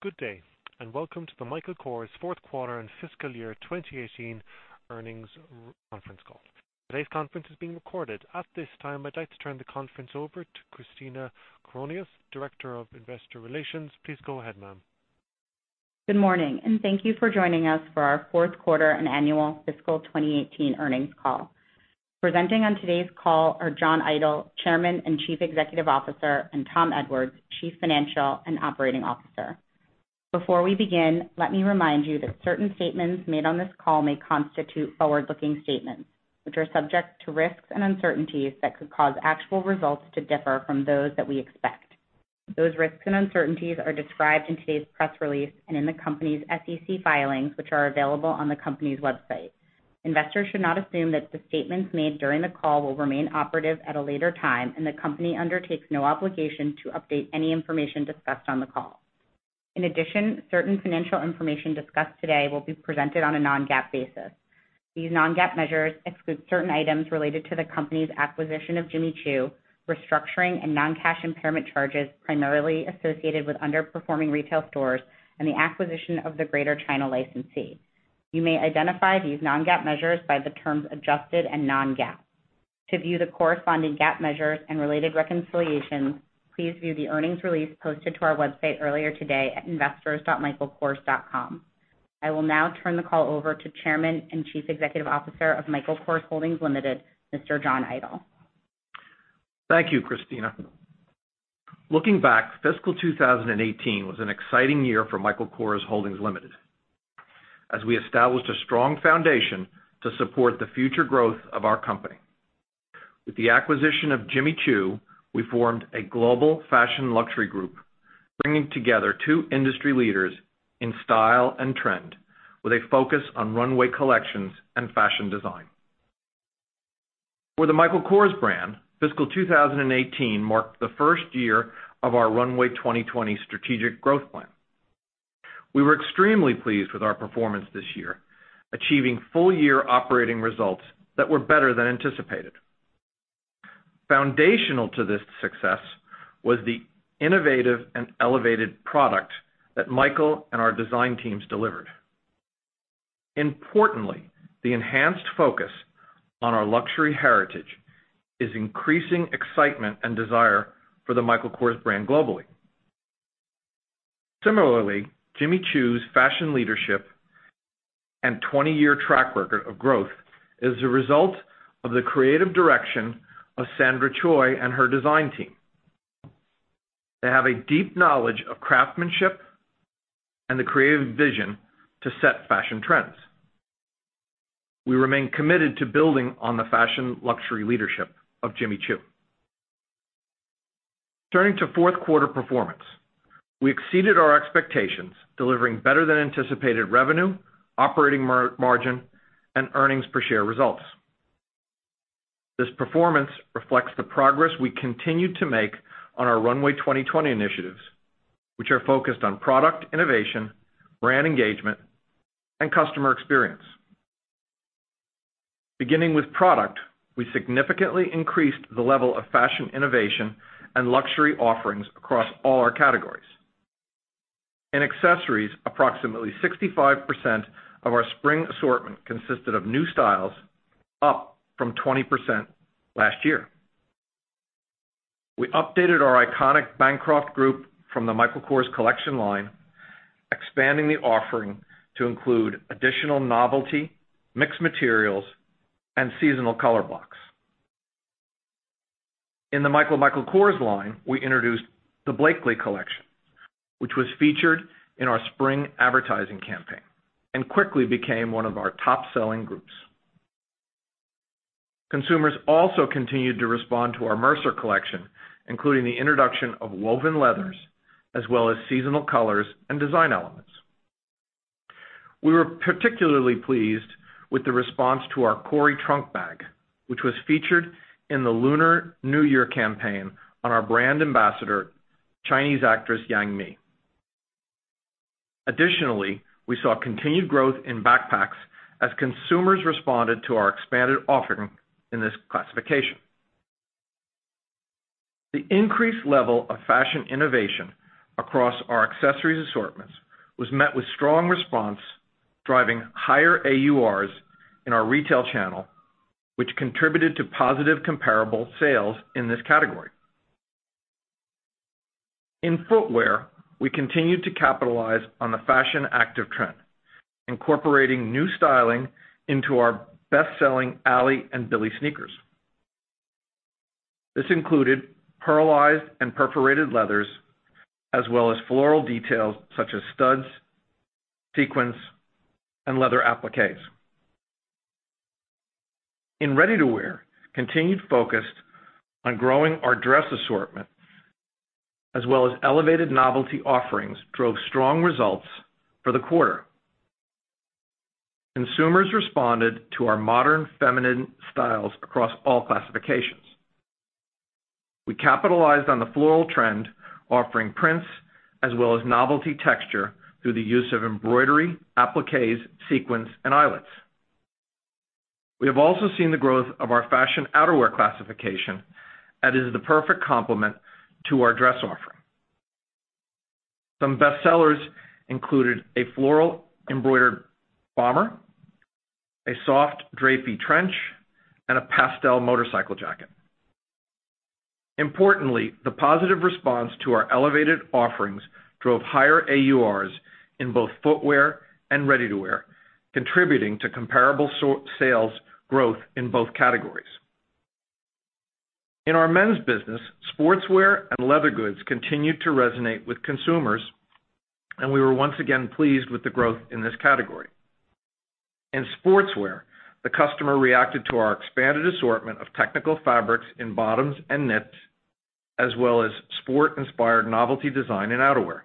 Good day. Welcome to the Michael Kors fourth quarter and fiscal year 2018 earnings conference call. Today's conference is being recorded. At this time, I'd like to turn the conference over to Christina Coronios, Director of Investor Relations. Please go ahead, ma'am. Good morning. Thank you for joining us for our fourth quarter and annual fiscal 2018 earnings call. Presenting on today's call are John Idol, Chairman and Chief Executive Officer, and Tom Edwards, Chief Financial and Operating Officer. Before we begin, let me remind you that certain statements made on this call may constitute forward-looking statements, which are subject to risks and uncertainties that could cause actual results to differ from those that we expect. Those risks and uncertainties are described in today's press release and in the company's SEC filings, which are available on the company's website. Investors should not assume that the statements made during the call will remain operative at a later time, and the company undertakes no obligation to update any information discussed on the call. In addition, certain financial information discussed today will be presented on a non-GAAP basis. These non-GAAP measures exclude certain items related to the company's acquisition of Jimmy Choo, restructuring and non-cash impairment charges primarily associated with underperforming retail stores, and the acquisition of the Greater China licensee. You may identify these non-GAAP measures by the terms adjusted and non-GAAP. To view the corresponding GAAP measures and related reconciliations, please view the earnings release posted to our website earlier today at investors.michaelkors.com. I will now turn the call over to Chairman and Chief Executive Officer of Michael Kors Holdings Limited, Mr. John Idol. Thank you, Christina. Looking back, fiscal 2018 was an exciting year for Michael Kors Holdings Limited, as we established a strong foundation to support the future growth of our company. With the acquisition of Jimmy Choo, we formed a global fashion luxury group, bringing together two industry leaders in style and trend with a focus on runway collections and fashion design. For the Michael Kors brand, fiscal 2018 marked the first year of our Runway 2020 strategic growth plan. We were extremely pleased with our performance this year, achieving full-year operating results that were better than anticipated. Foundational to this success was the innovative and elevated product that Michael and our design teams delivered. Importantly, the enhanced focus on our luxury heritage is increasing excitement and desire for the Michael Kors brand globally. Similarly, Jimmy Choo's fashion leadership and 20-year track record of growth is a result of the creative direction of Sandra Choi and her design team. They have a deep knowledge of craftsmanship and the creative vision to set fashion trends. We remain committed to building on the fashion luxury leadership of Jimmy Choo. Turning to fourth quarter performance, we exceeded our expectations, delivering better than anticipated revenue, operating margin, and earnings per share results. This performance reflects the progress we continue to make on our Runway 2020 initiatives, which are focused on product innovation, brand engagement, and customer experience. Beginning with product, we significantly increased the level of fashion innovation and luxury offerings across all our categories. In accessories, approximately 65% of our spring assortment consisted of new styles, up from 20% last year. We updated our iconic Bancroft group from the Michael Kors Collection line, expanding the offering to include additional novelty, mixed materials, and seasonal color blocks. In the MICHAEL Michael Kors line, we introduced the Blakely Collection, which was featured in our spring advertising campaign and quickly became one of our top-selling groups. Consumers also continued to respond to our Mercer collection, including the introduction of woven leathers, as well as seasonal colors and design elements. We were particularly pleased with the response to our Cori trunk bag, which was featured in the Lunar New Year campaign on our brand ambassador, Chinese actress Yang Mi. Additionally, we saw continued growth in backpacks as consumers responded to our expanded offering in this classification. The increased level of fashion innovation across our accessories assortments was met with strong response, driving higher AURs in our retail channel, which contributed to positive comparable sales in this category. In footwear, we continued to capitalize on the fashion active trend, incorporating new styling into our best-selling Allie and Billie sneakers. This included pearlized and perforated leathers, as well as floral details such as studs, sequins, and leather appliques. In ready-to-wear, continued focus on growing our dress assortment, as well as elevated novelty offerings, drove strong results for the quarter. Consumers responded to our modern feminine styles across all classifications. We capitalized on the floral trend, offering prints as well as novelty texture through the use of embroidery, appliques, sequins, and eyelets. We have also seen the growth of our fashion outerwear classification that is the perfect complement to our dress offering. Some bestsellers included a floral embroidered bomber, a soft drapey trench, and a pastel motorcycle jacket. Importantly, the positive response to our elevated offerings drove higher AURs in both footwear and ready-to-wear, contributing to comparable sales growth in both categories. In our men's business, sportswear and leather goods continued to resonate with consumers, and we were once again pleased with the growth in this category. In sportswear, the customer reacted to our expanded assortment of technical fabrics in bottoms and knits, as well as sport-inspired novelty design and outerwear.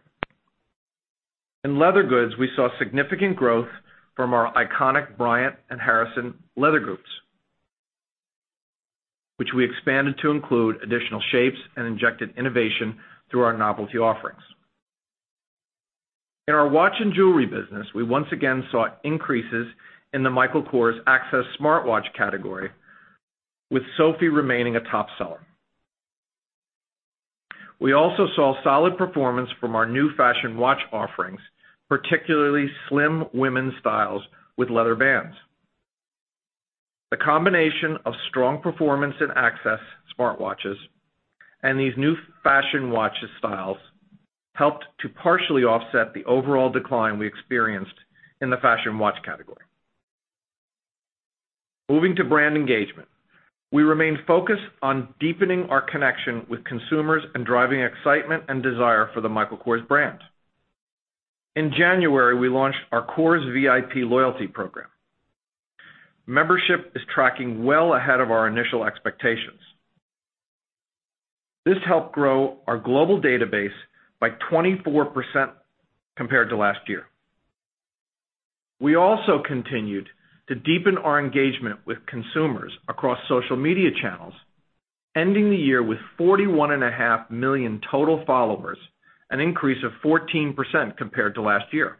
In leather goods, we saw significant growth from our iconic Bryant and Harrison leather goods, which we expanded to include additional shapes and injected innovation through our novelty offerings. In our watch and jewelry business, we once again saw increases in the Michael Kors Access smartwatch category, with Sofie remaining a top seller. We also saw solid performance from our new fashion watch offerings, particularly slim women's styles with leather bands. The combination of strong performance in Access smartwatches and these new fashion watch styles helped to partially offset the overall decline we experienced in the fashion watch category. Moving to brand engagement. We remain focused on deepening our connection with consumers and driving excitement and desire for the Michael Kors brand. In January, we launched our KorsVIP loyalty program. Membership is tracking well ahead of our initial expectations. This helped grow our global database by 24% compared to last year. We also continued to deepen our engagement with consumers across social media channels, ending the year with 41.5 million total followers, an increase of 14% compared to last year.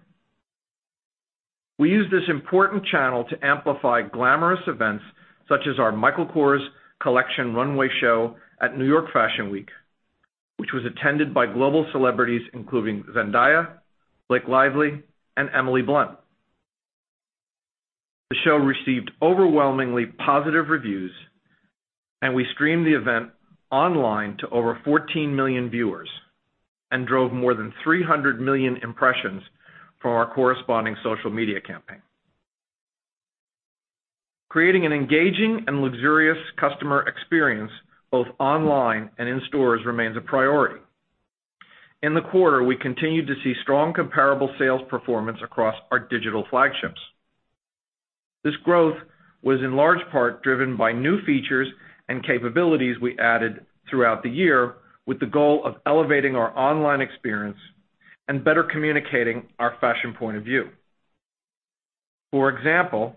The show received overwhelmingly positive reviews. We streamed the event online to over 14 million viewers and drove more than 300 million impressions from our corresponding social media campaign. Creating an engaging and luxurious customer experience both online and in stores remains a priority. In the quarter, we continued to see strong comparable sales performance across our digital flagships. This growth was in large part driven by new features and capabilities we added throughout the year with the goal of elevating our online experience and better communicating our fashion point of view. For example,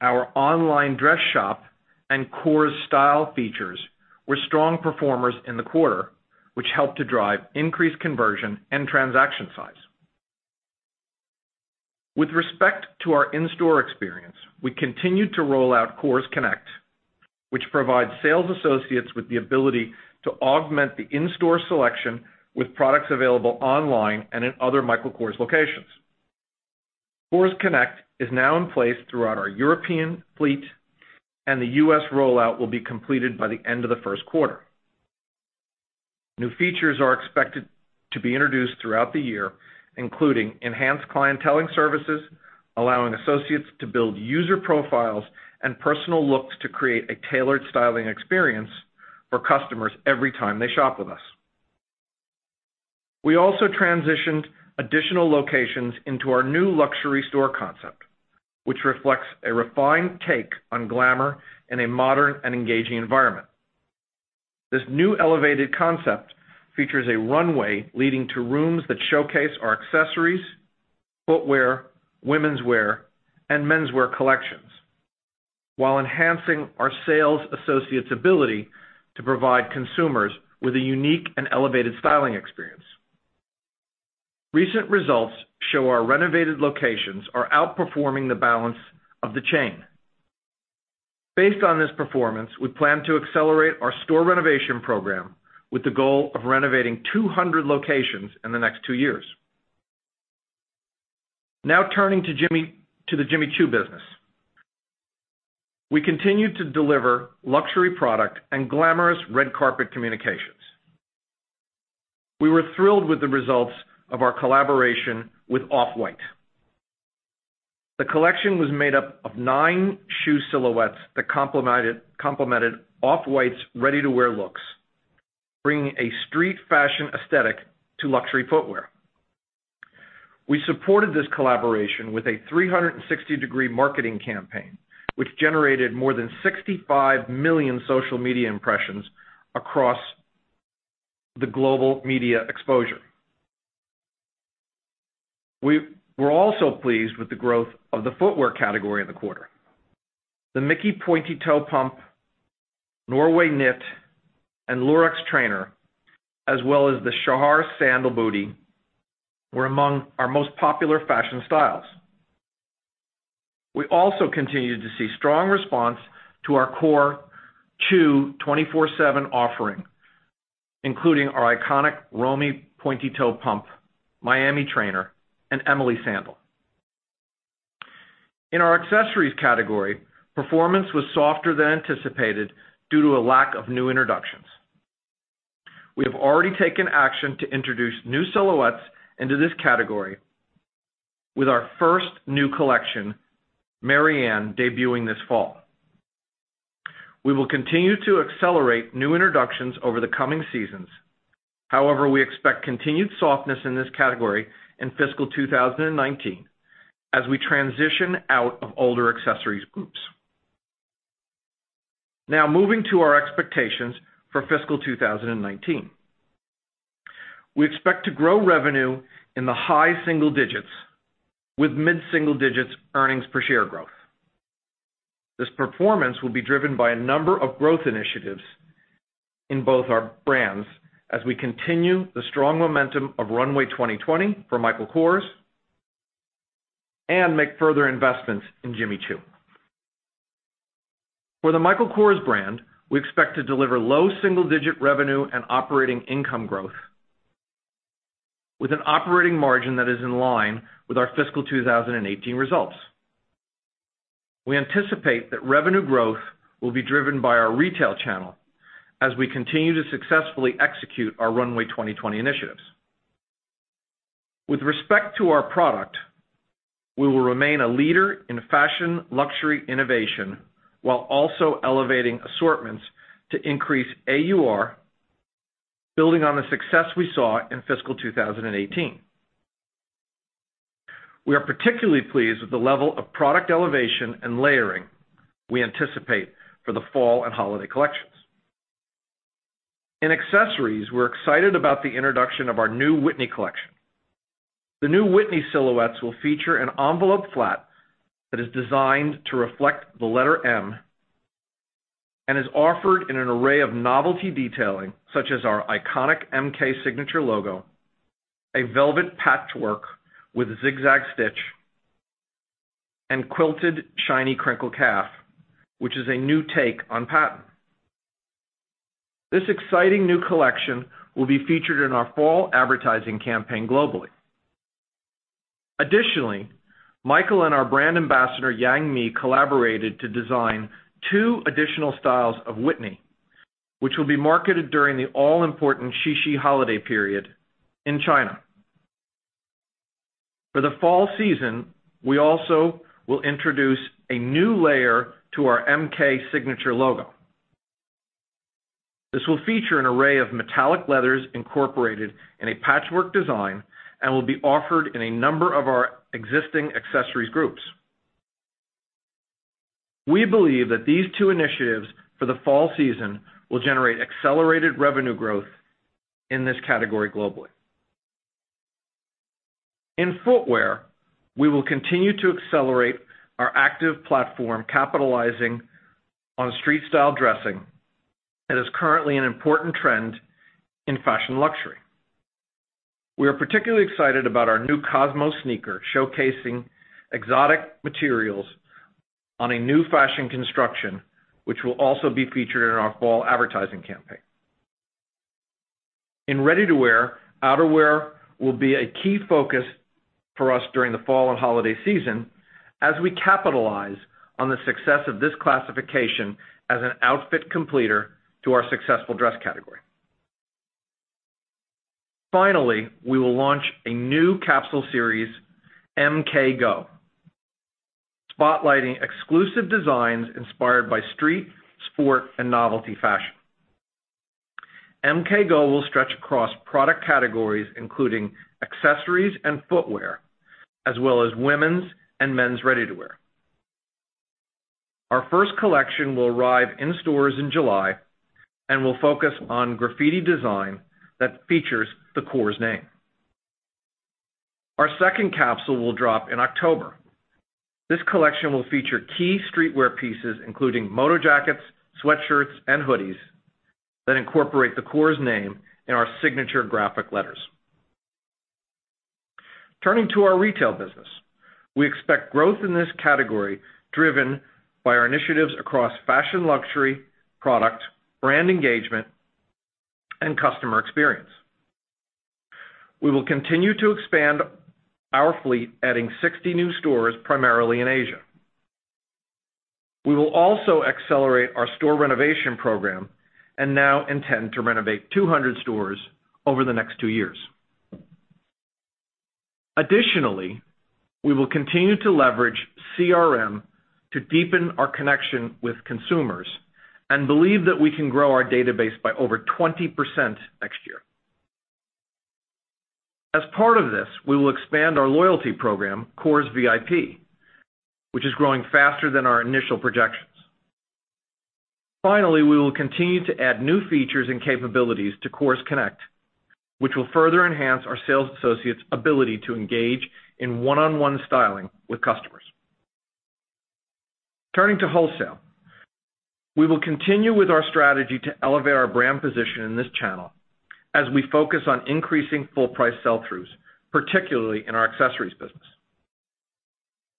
our online dress shop and Kors Style features were strong performers in the quarter, which helped to drive increased conversion and transaction size. With respect to our in-store experience, we continued to roll out Kors Connect, which provides sales associates with the ability to augment the in-store selection with products available online and in other Michael Kors locations. Kors Connect is now in place throughout our European fleet, and the U.S. rollout will be completed by the end of the first quarter. New features are expected to be introduced throughout the year, including enhanced clienteling services, allowing associates to build user profiles and personal looks to create a tailored styling experience for customers every time they shop with us. We also transitioned additional locations into our new luxury store concept, which reflects a refined take on glamour in a modern and engaging environment. This new elevated concept features a runway leading to rooms that showcase our accessories, footwear, womenswear, and menswear collections while enhancing our sales associates' ability to provide consumers with a unique and elevated styling experience. Recent results show our renovated locations are outperforming the balance of the chain. Based on this performance, we plan to accelerate our store renovation program with the goal of renovating 200 locations in the next two years. Turning to the Jimmy Choo business. We continued to deliver luxury product and glamorous red carpet communications. We were thrilled with the results of our collaboration with Off-White. The collection was made up of nine shoe silhouettes that complemented Off-White's ready-to-wear looks, bringing a street fashion aesthetic to luxury footwear. We supported this collaboration with a 360-degree marketing campaign, which generated more than 65 million social media impressions across the global media exposure. We were also pleased with the growth of the footwear category in the quarter. The Micky pointy-toe pump Norway knit, and Lurex Trainer, as well as the Shahar Sandal Bootie, were among our most popular fashion styles. We also continued to see strong response to our core Choo 24/7 offering, including our iconic Romy pointy-toe pump, Miami Trainer, and Emily Sandal. In our accessories category, performance was softer than anticipated due to a lack of new introductions. We have already taken action to introduce new silhouettes into this category, with our first new collection, Marianne, debuting this fall. We will continue to accelerate new introductions over the coming seasons. However, we expect continued softness in this category in fiscal 2019 as we transition out of older accessories groups. Moving to our expectations for fiscal 2019. We expect to grow revenue in the high single digits with mid-single digits earnings per share growth. This performance will be driven by a number of growth initiatives in both our brands as we continue the strong momentum of Runway 2020 for Michael Kors, and make further investments in Jimmy Choo. For the Michael Kors brand, we expect to deliver low single-digit revenue and operating income growth with an operating margin that is in line with our fiscal 2018 results. We anticipate that revenue growth will be driven by our retail channel as we continue to successfully execute our Runway 2020 initiatives. With respect to our product, we will remain a leader in fashion luxury innovation while also elevating assortments to increase AUR, building on the success we saw in fiscal 2018. We are particularly pleased with the level of product elevation and layering we anticipate for the fall and holiday collections. In accessories, we're excited about the introduction of our new Whitney collection. The new Whitney silhouettes will feature an envelope flat that is designed to reflect the letter M and is offered in an array of novelty detailing, such as our iconic MK signature logo, a velvet patchwork with a zigzag stitch, and quilted shiny crinkle calf, which is a new take on patent. This exciting new collection will be featured in our fall advertising campaign globally. Additionally, Michael and our brand ambassador, Yang Mi, collaborated to design two additional styles of Whitney, which will be marketed during the all-important Qixi holiday period in China. For the fall season, we also will introduce a new layer to our MK signature logo. This will feature an array of metallic leathers incorporated in a patchwork design and will be offered in a number of our existing accessories groups. In footwear, we will continue to accelerate our active platform, capitalizing on street style dressing that is currently an important trend in fashion luxury. We are particularly excited about our new Cosmos sneaker, showcasing exotic materials on a new fashion construction, which will also be featured in our fall advertising campaign. In ready-to-wear, outerwear will be a key focus for us during the fall and holiday season as we capitalize on the success of this classification as an outfit completer to our successful dress category. Finally, we will launch a new capsule series, MK Go, spotlighting exclusive designs inspired by street, sport, and novelty fashion. MK Go will stretch across product categories, including accessories and footwear, as well as women's and men's ready-to-wear. Our first collection will arrive in stores in July and will focus on graffiti design that features the Kors name. Our second capsule will drop in October. This collection will feature key streetwear pieces, including moto jackets, sweatshirts, and hoodies that incorporate the Kors name in our signature graphic letters. Turning to our retail business, we expect growth in this category driven by our initiatives across fashion luxury product, brand engagement, and customer experience. We will continue to expand our fleet, adding 60 new stores, primarily in Asia. We will also accelerate our store renovation program and now intend to renovate 200 stores over the next two years. Additionally, we will continue to leverage CRM to deepen our connection with consumers and believe that we can grow our database by over 20% next year. As part of this, we will expand our loyalty program, KorsVIP, which is growing faster than our initial projections. Finally, we will continue to add new features and capabilities to Kors Connect, which will further enhance our sales associates' ability to engage in one-on-one styling with customers. Turning to wholesale. We will continue with our strategy to elevate our brand position in this channel as we focus on increasing full price sell-throughs, particularly in our accessories business.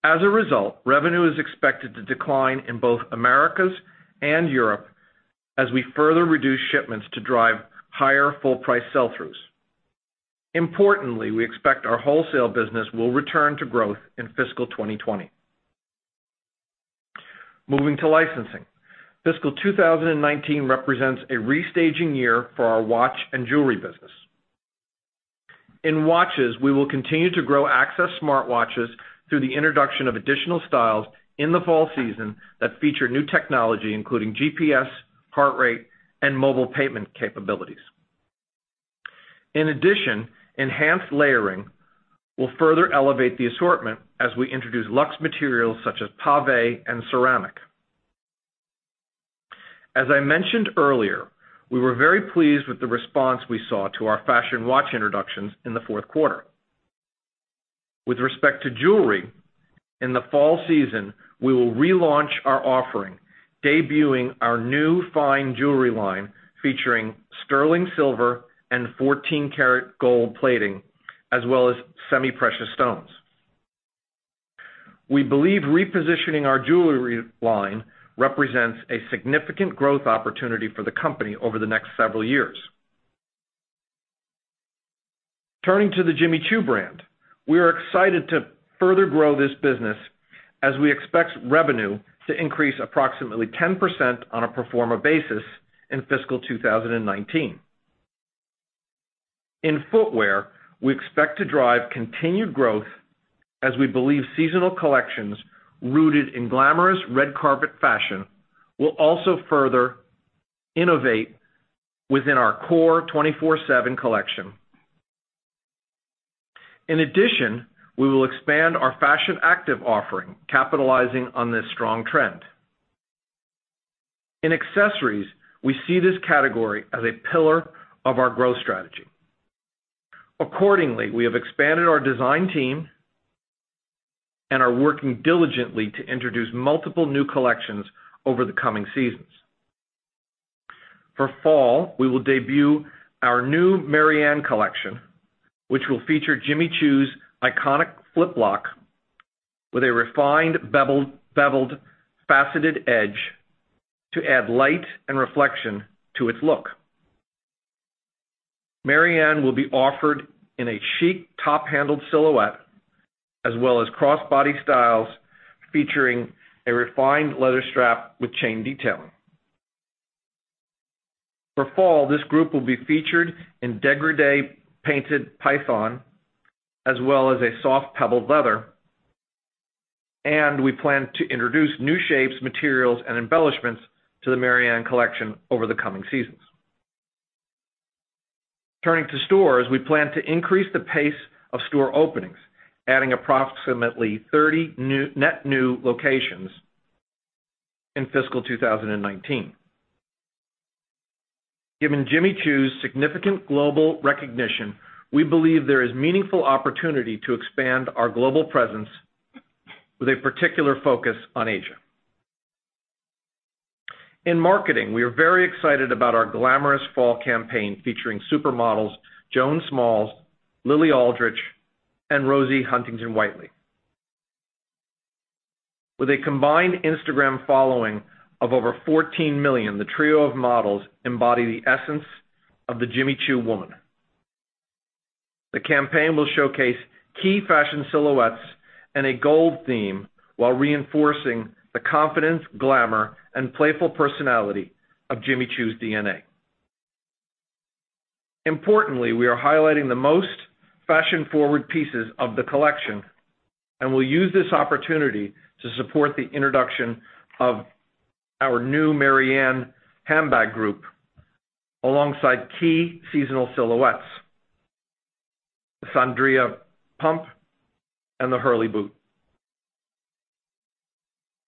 As a result, revenue is expected to decline in both Americas and Europe as we further reduce shipments to drive higher full price sell-throughs. Importantly, we expect our wholesale business will return to growth in fiscal 2020. Moving to licensing. Fiscal 2019 represents a restaging year for our watch and jewelry business. In watches, we will continue to grow access smartwatches through the introduction of additional styles in the fall season that feature new technology including GPS, heart rate, and mobile payment capabilities. In addition, enhanced layering will further elevate the assortment as we introduce luxe materials such as pave and ceramic. As I mentioned earlier, we were very pleased with the response we saw to our fashion watch introductions in the fourth quarter. With respect to jewelry, in the fall season, we will relaunch our offering, debuting our new fine jewelry line featuring sterling silver and 14 karat gold plating, as well as semi-precious stones. We believe repositioning our jewelry line represents a significant growth opportunity for the company over the next several years. Turning to the Jimmy Choo brand. We are excited to further grow this business as we expect revenue to increase approximately 10% on a pro forma basis in fiscal 2019. In footwear, we expect to drive continued growth as we believe seasonal collections rooted in glamorous red carpet fashion will also further innovate within our core Choo 24/7 collection. In addition, we will expand our fashion active offering, capitalizing on this strong trend. In accessories, we see this category as a pillar of our growth strategy. Accordingly, we have expanded our design team and are working diligently to introduce multiple new collections over the coming seasons. For fall, we will debut our new Marianne collection, which will feature Jimmy Choo's iconic flip-lock with a refined beveled faceted edge to add light and reflection to its look. Marianne will be offered in a chic top-handled silhouette, as well as crossbody styles featuring a refined leather strap with chain detailing. For fall, this group will be featured in dégradé painted python, as well as a soft pebbled leather. We plan to introduce new shapes, materials, and embellishments to the Marianne collection over the coming seasons. Turning to stores. We plan to increase the pace of store openings, adding approximately 30 net new locations in FY 2019. Given Jimmy Choo's significant global recognition, we believe there is meaningful opportunity to expand our global presence with a particular focus on Asia. In marketing, we are very excited about our glamorous fall campaign featuring supermodels Joan Smalls, Lily Aldridge, and Rosie Huntington-Whiteley. With a combined Instagram following of over 14 million, the trio of models embody the essence of the Jimmy Choo woman. The campaign will showcase key fashion silhouettes and a gold theme while reinforcing the confidence, glamour, and playful personality of Jimmy Choo's DNA. Importantly, we are highlighting the most fashion-forward pieces of the collection, and will use this opportunity to support the introduction of our new Marianne handbag group alongside key seasonal silhouettes, the Sondria pump, and the Hurley boot.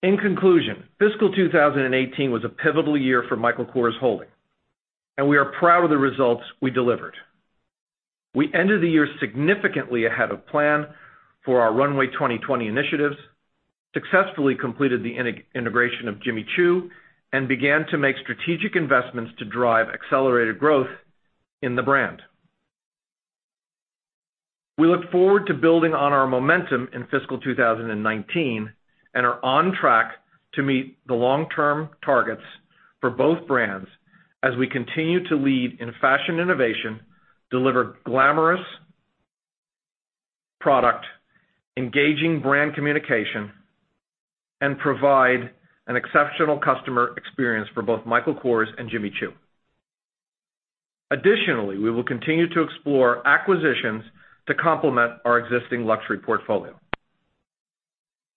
In conclusion, FY 2018 was a pivotal year for Michael Kors Holdings, and we are proud of the results we delivered. We ended the year significantly ahead of plan for our Runway 2020 initiatives, successfully completed the integration of Jimmy Choo, and began to make strategic investments to drive accelerated growth in the brand. We look forward to building on our momentum in FY 2019, and are on track to meet the long-term targets for both brands as we continue to lead in fashion innovation, deliver glamorous product, engaging brand communication, and provide an exceptional customer experience for both Michael Kors and Jimmy Choo. Additionally, we will continue to explore acquisitions to complement our existing luxury portfolio.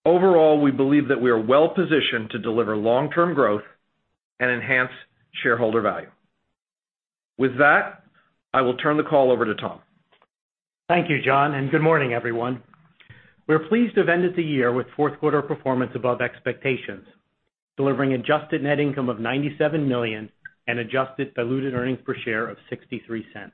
Overall, we believe that we are well positioned to deliver long-term growth and enhance shareholder value. With that, I will turn the call over to Tom. Thank you, John, and good morning, everyone. We're pleased to have ended the year with fourth quarter performance above expectations, delivering adjusted net income of $97 million and adjusted diluted earnings per share of $0.63.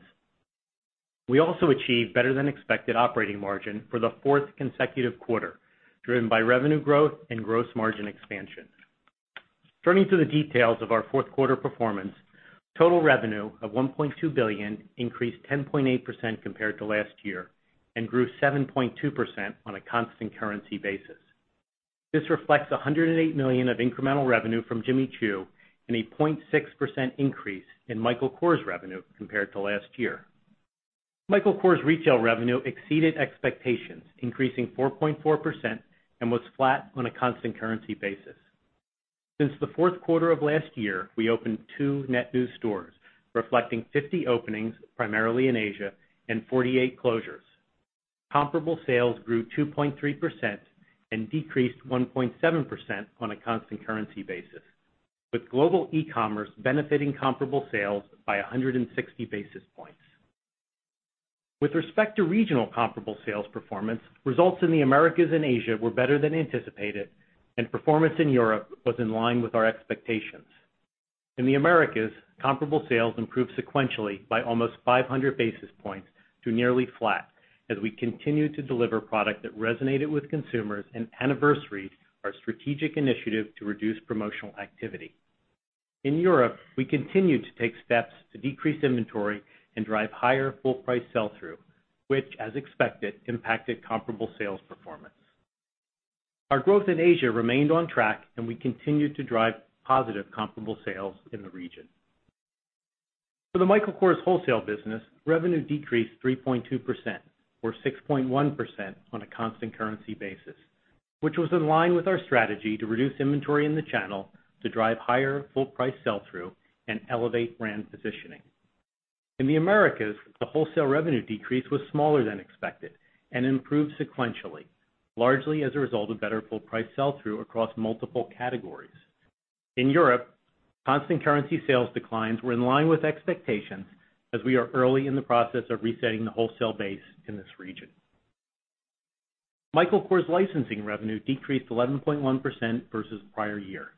We also achieved better than expected operating margin for the fourth consecutive quarter, driven by revenue growth and gross margin expansion. Turning to the details of our fourth quarter performance, total revenue of $1.2 billion increased 10.8% compared to last year and grew 7.2% on a constant currency basis. This reflects $108 million of incremental revenue from Jimmy Choo and a 0.6% increase in Michael Kors revenue compared to last year. Michael Kors retail revenue exceeded expectations, increasing 4.4% and was flat on a constant currency basis. Since the fourth quarter of last year, we opened 2 net new stores, reflecting 50 openings primarily in Asia and 48 closures. Comparable sales grew 2.3% and decreased 1.7% on a constant currency basis, with global e-commerce benefiting comparable sales by 160 basis points. With respect to regional comparable sales performance, results in the Americas and Asia were better than anticipated, and performance in Europe was in line with our expectations. In the Americas, comparable sales improved sequentially by almost 500 basis points to nearly flat as we continued to deliver product that resonated with consumers and anniversaried our strategic initiative to reduce promotional activity. In Europe, we continued to take steps to decrease inventory and drive higher full price sell-through, which as expected, impacted comparable sales performance. Our growth in Asia remained on track, and we continued to drive positive comparable sales in the region. For the Michael Kors wholesale business, revenue decreased 3.2%, or 6.1% on a constant currency basis, which was in line with our strategy to reduce inventory in the channel to drive higher full price sell-through and elevate brand positioning. In the Americas, the wholesale revenue decrease was smaller than expected and improved sequentially, largely as a result of better full price sell-through across multiple categories. In Europe, constant currency sales declines were in line with expectations as we are early in the process of resetting the wholesale base in this region. Michael Kors licensing revenue decreased 11.1% versus prior year.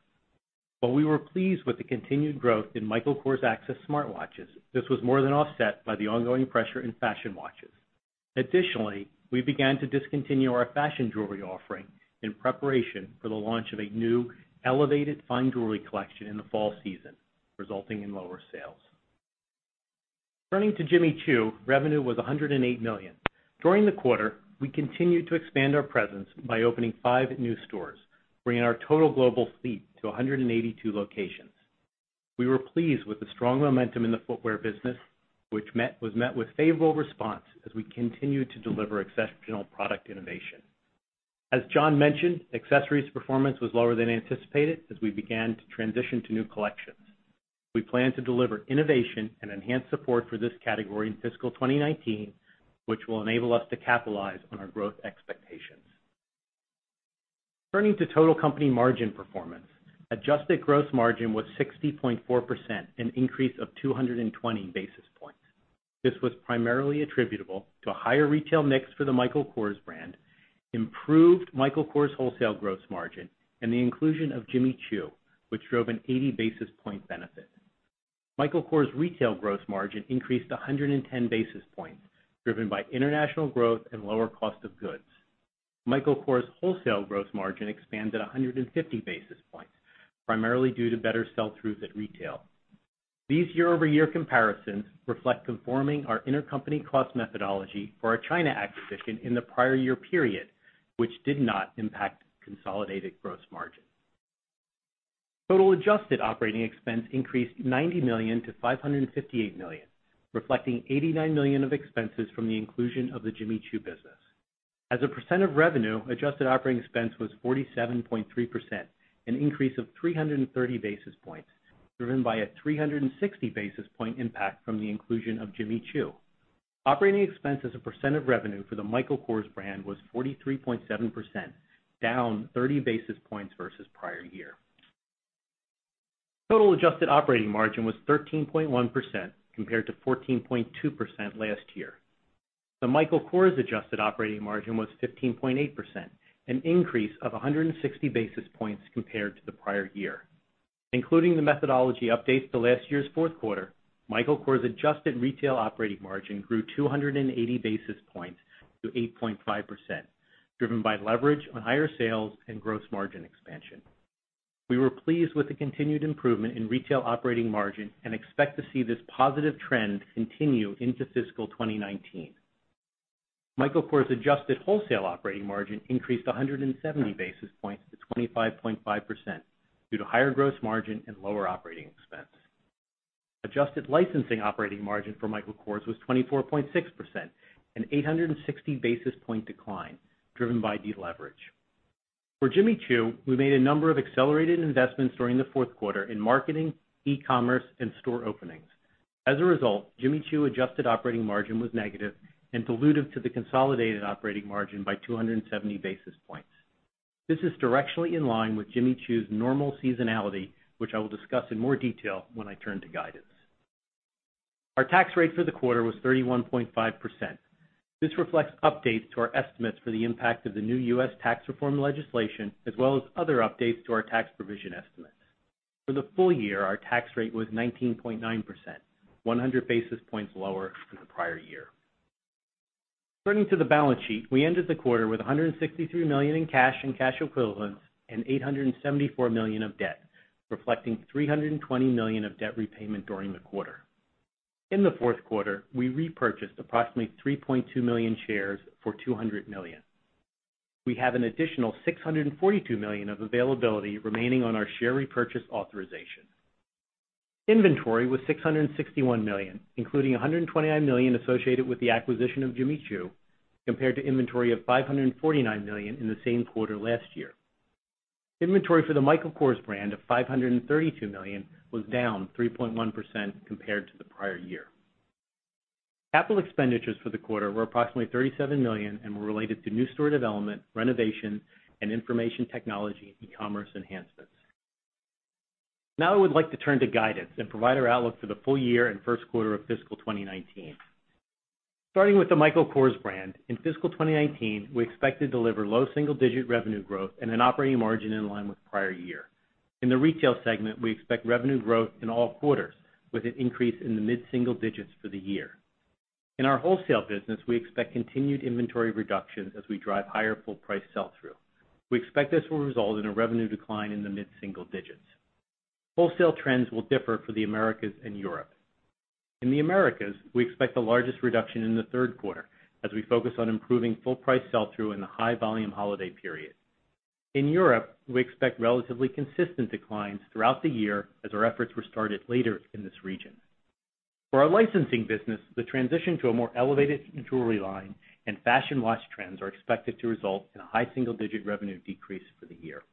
While we were pleased with the continued growth in Michael Kors Access smartwatches, this was more than offset by the ongoing pressure in fashion watches. Additionally, we began to discontinue our fashion jewelry offering in preparation for the launch of a new elevated fine jewelry collection in the fall season, resulting in lower sales. Turning to Jimmy Choo, revenue was $108 million. During the quarter, we continued to expand our presence by opening five new stores, bringing our total global fleet to 182 locations. We were pleased with the strong momentum in the footwear business, which was met with favorable response as we continued to deliver exceptional product innovation. As John mentioned, accessories performance was lower than anticipated as we began to transition to new collections. We plan to deliver innovation and enhance support for this category in fiscal 2019, which will enable us to capitalize on our growth expectations. Turning to total company margin performance, adjusted gross margin was 60.4%, an increase of 220 basis points. This was primarily attributable to a higher retail mix for the Michael Kors brand, improved Michael Kors wholesale gross margin, and the inclusion of Jimmy Choo, which drove an 80 basis point benefit. Michael Kors retail gross margin increased 110 basis points, driven by international growth and lower cost of goods. Michael Kors wholesale gross margin expanded 150 basis points, primarily due to better sell-throughs at retail. These year-over-year comparisons reflect conforming our intercompany cost methodology for our China acquisition in the prior year period, which did not impact consolidated gross margin. Total adjusted operating expense increased $90 million to $558 million, reflecting $89 million of expenses from the inclusion of the Jimmy Choo business. As a percent of revenue, adjusted operating expense was 47.3%, an increase of 330 basis points driven by a 360 basis point impact from the inclusion of Jimmy Choo. Operating expense as a percent of revenue for the Michael Kors brand was 43.7%, down 30 basis points versus prior year. Total adjusted operating margin was 13.1% compared to 14.2% last year. The Michael Kors adjusted operating margin was 15.8%, an increase of 160 basis points compared to the prior year. Including the methodology updates to last year's fourth quarter, Michael Kors adjusted retail operating margin grew 280 basis points to 8.5%, driven by leverage on higher sales and gross margin expansion. We were pleased with the continued improvement in retail operating margin and expect to see this positive trend continue into fiscal 2019. Michael Kors adjusted wholesale operating margin increased 170 basis points to 25.5% due to higher gross margin and lower operating expense. Adjusted licensing operating margin for Michael Kors was 24.6%, an 860 basis point decline driven by deleverage. For Jimmy Choo, we made a number of accelerated investments during the fourth quarter in marketing, e-commerce, and store openings. As a result, Jimmy Choo adjusted operating margin was negative and dilutive to the consolidated operating margin by 270 basis points. This is directionally in line with Jimmy Choo's normal seasonality, which I will discuss in more detail when I turn to guidance. Our tax rate for the quarter was 31.5%. This reflects updates to our estimates for the impact of the new U.S. tax reform legislation, as well as other updates to our tax provision estimates. For the full year, our tax rate was 19.9%, 100 basis points lower than the prior year. Turning to the balance sheet, we ended the quarter with $163 million in cash and cash equivalents and $874 million of debt, reflecting $320 million of debt repayment during the quarter. In the fourth quarter, we repurchased approximately 3.2 million shares for $200 million. We have an additional $642 million of availability remaining on our share repurchase authorization. Inventory was $661 million, including $129 million associated with the acquisition of Jimmy Choo, compared to inventory of $549 million in the same quarter last year. Inventory for the Michael Kors brand of $532 million was down 3.1% compared to the prior year. Capital expenditures for the quarter were approximately $37 million and were related to new store development, renovation, and information technology e-commerce enhancements. Now I would like to turn to guidance and provide our outlook for the full year and first quarter of fiscal 2019. Starting with the Michael Kors brand, in fiscal 2019, we expect to deliver low single-digit revenue growth and an operating margin in line with prior year. In the retail segment, we expect revenue growth in all quarters with an increase in the mid-single digits for the year. In our wholesale business, we expect continued inventory reductions as we drive higher full price sell-through. We expect this will result in a revenue decline in the mid-single digits. Wholesale trends will differ for the Americas and Europe. In the Americas, we expect the largest reduction in the third quarter as we focus on improving full price sell-through in the high-volume holiday period. In Europe, we expect relatively consistent declines throughout the year as our efforts were started later in this region. For our licensing business, the transition to a more elevated jewelry line and fashion watch trends are expected to result in a high single-digit revenue decrease for the year.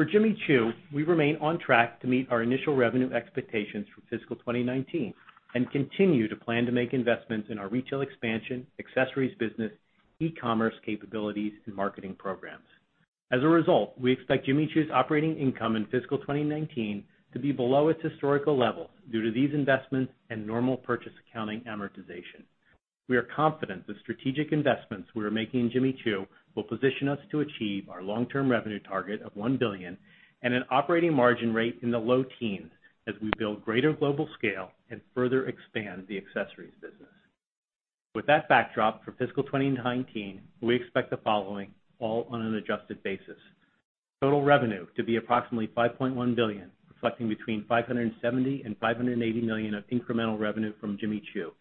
For Jimmy Choo, we remain on track to meet our initial revenue expectations for fiscal 2019 and continue to plan to make investments in our retail expansion, accessories business, e-commerce capabilities, and marketing programs. As a result, we expect Jimmy Choo's operating income in fiscal 2019 to be below its historical levels due to these investments and normal purchase accounting amortization. We are confident the strategic investments we are making in Jimmy Choo will position us to achieve our long-term revenue target of $1 billion and an operating margin rate in the low teens as we build greater global scale and further expand the accessories business. With that backdrop, for fiscal 2019, we expect the following, all on an adjusted basis. Total revenue to be approximately $5.1 billion, reflecting between $570 million and $580 million of incremental revenue from Jimmy Choo,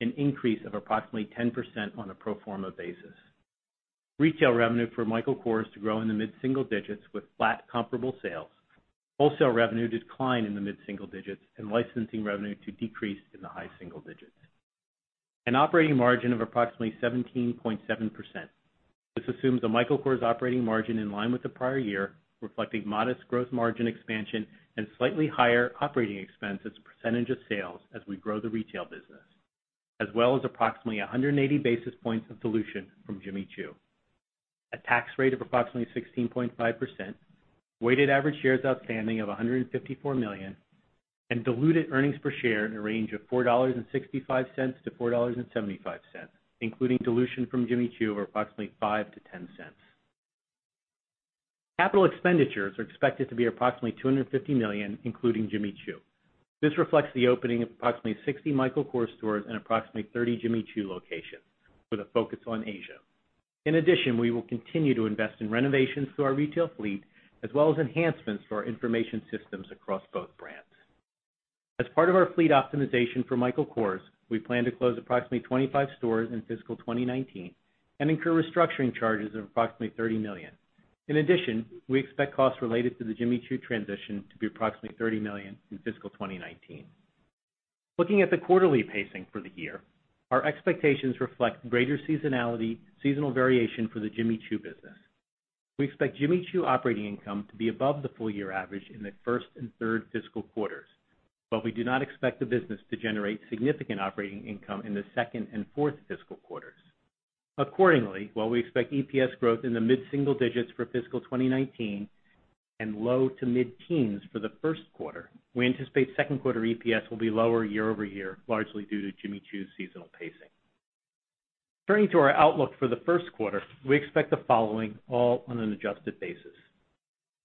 an increase of approximately 10% on a pro forma basis. Retail revenue for Michael Kors to grow in the mid-single digits with flat comparable sales, wholesale revenue decline in the mid-single digits, and licensing revenue to decrease in the high single digits. An operating margin of approximately 17.7%. This assumes a Michael Kors operating margin in line with the prior year, reflecting modest gross margin expansion and slightly higher operating expense as a percentage of sales as we grow the retail business, as well as approximately 180 basis points of dilution from Jimmy Choo. A tax rate of approximately 16.5%, weighted average shares outstanding of 154 million, and diluted earnings per share in a range of $4.65 to $4.75, including dilution from Jimmy Choo of approximately $0.05 to $0.10. Capital expenditures are expected to be approximately $250 million, including Jimmy Choo. This reflects the opening of approximately 60 Michael Kors stores and approximately 30 Jimmy Choo locations with a focus on Asia. In addition, we will continue to invest in renovations to our retail fleet, as well as enhancements to our information systems across both brands. As part of our fleet optimization for Michael Kors, we plan to close approximately 25 stores in fiscal 2019 and incur restructuring charges of approximately $30 million. In addition, we expect costs related to the Jimmy Choo transition to be approximately $30 million in fiscal 2019. Looking at the quarterly pacing for the year, our expectations reflect greater seasonality, seasonal variation for the Jimmy Choo business. We expect Jimmy Choo operating income to be above the full-year average in the first and third fiscal quarters, but we do not expect the business to generate significant operating income in the second and fourth fiscal quarters. Accordingly, while we expect EPS growth in the mid-single digits for fiscal 2019 and low to mid-teens for the first quarter, we anticipate second quarter EPS will be lower year-over-year, largely due to Jimmy Choo's seasonal pacing. Turning to our outlook for the first quarter, we expect the following, all on an adjusted basis.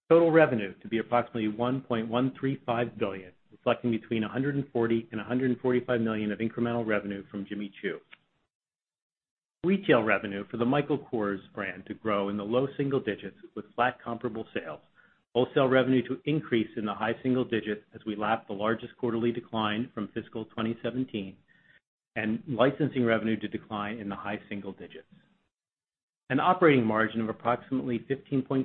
Total revenue to be approximately $1.135 billion, reflecting between $140 million and $145 million of incremental revenue from Jimmy Choo. Retail revenue for the Michael Kors brand to grow in the low single digits with flat comparable sales, wholesale revenue to increase in the high single digits as we lap the largest quarterly decline from fiscal 2017, and licensing revenue to decline in the high single digits. An operating margin of approximately 15.2%,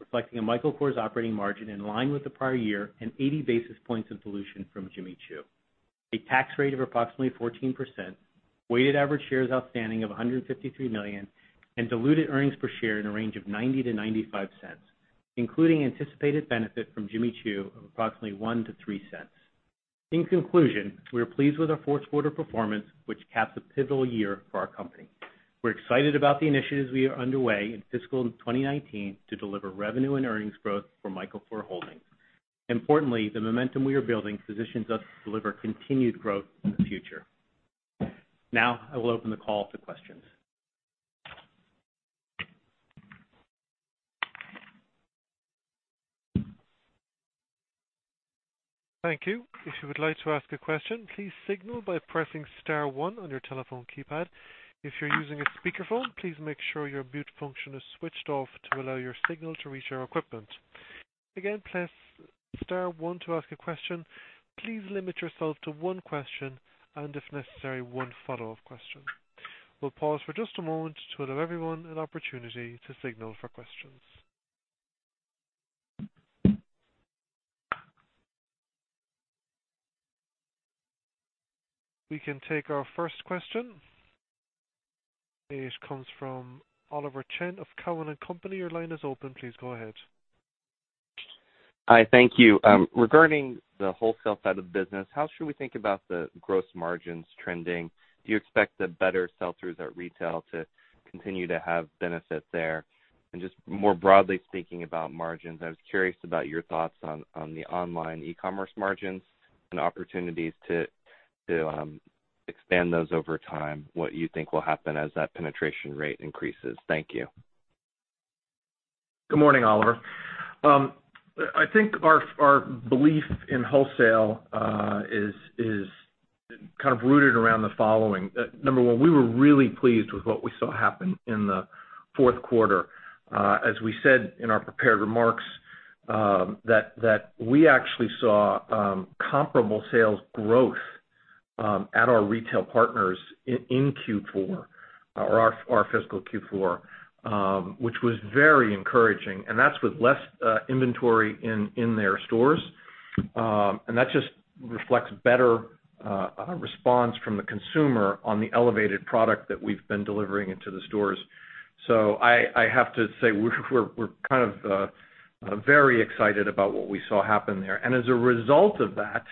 reflecting a Michael Kors operating margin in line with the prior year and 80 basis points of dilution from Jimmy Choo. A tax rate of approximately 14%, weighted average shares outstanding of 153 million, and diluted earnings per share in a range of $0.90-$0.95, including anticipated benefit from Jimmy Choo of approximately $0.01-$0.03. In conclusion, we are pleased with our fourth quarter performance, which caps a pivotal year for our company. We're excited about the initiatives we are underway in fiscal 2019 to deliver revenue and earnings growth for Michael Kors Holdings. Importantly, the momentum we are building positions us to deliver continued growth in the future. I will open the call to questions. Thank you. If you would like to ask a question, please signal by pressing star one on your telephone keypad. If you're using a speakerphone, please make sure your mute function is switched off to allow your signal to reach our equipment. Again, press star one to ask a question. Please limit yourself to one question and if necessary, one follow-up question. We'll pause for just a moment to allow everyone an opportunity to signal for questions. We can take our first question. It comes from Oliver Chen of Cowen and Company. Your line is open. Please go ahead. Hi. Thank you. Regarding the wholesale side of the business, how should we think about the gross margins trending? Do you expect the better sell-throughs at retail to continue to have benefit there? Just more broadly speaking about margins, I was curious about your thoughts on the online e-commerce margins and opportunities to expand those over time. What you think will happen as that penetration rate increases. Thank you. Good morning, Oliver. I think our belief in wholesale is rooted around the following. Number one, we were really pleased with what we saw happen in the fourth quarter. As we said in our prepared remarks, that we actually saw comparable sales growth at our retail partners in Q4, our fiscal Q4, which was very encouraging. That's with less inventory in their stores. That just reflects better response from the consumer on the elevated product that we've been delivering into the stores. I have to say, we're very excited about what we saw happen there. As a result of that,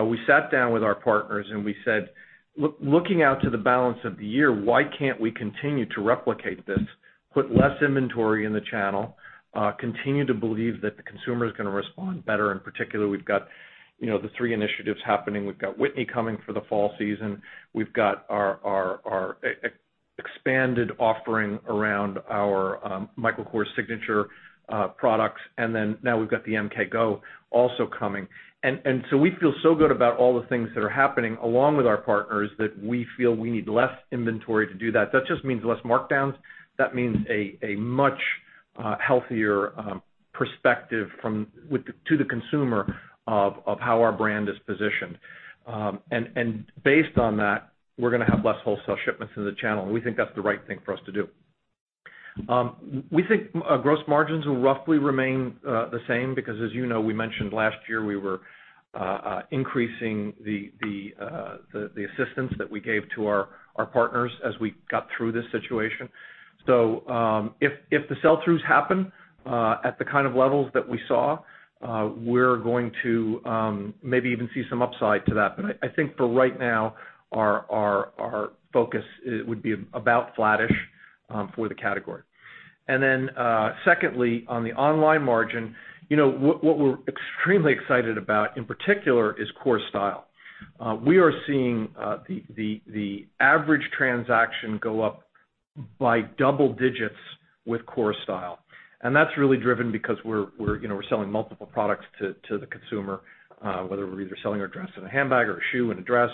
we sat down with our partners, we said, "Looking out to the balance of the year, why can't we continue to replicate this, put less inventory in the channel, continue to believe that the consumer is going to respond better?" In particular, we've got the three initiatives happening. We've got Whitney coming for the fall season, we've got our expanded offering around our Michael Kors signature products, then now we've got the MK Go also coming. We feel so good about all the things that are happening, along with our partners, that we feel we need less inventory to do that. That just means less markdowns. That means a much healthier perspective to the consumer of how our brand is positioned. Based on that, we're going to have less wholesale shipments into the channel, we think that's the right thing for us to do. We think gross margins will roughly remain the same because as you know, we mentioned last year we were increasing the assistance that we gave to our partners as we got through this situation. If the sell-throughs happen at the kind of levels that we saw, we're going to maybe even see some upside to that. I think for right now, our focus would be about flattish for the category. Secondly, on the online margin, what we're extremely excited about in particular is Kors Style. We are seeing the average transaction go up by double digits with Kors Style. That's really driven because we're selling multiple products to the consumer, whether we're either selling a dress and a handbag or a shoe and a dress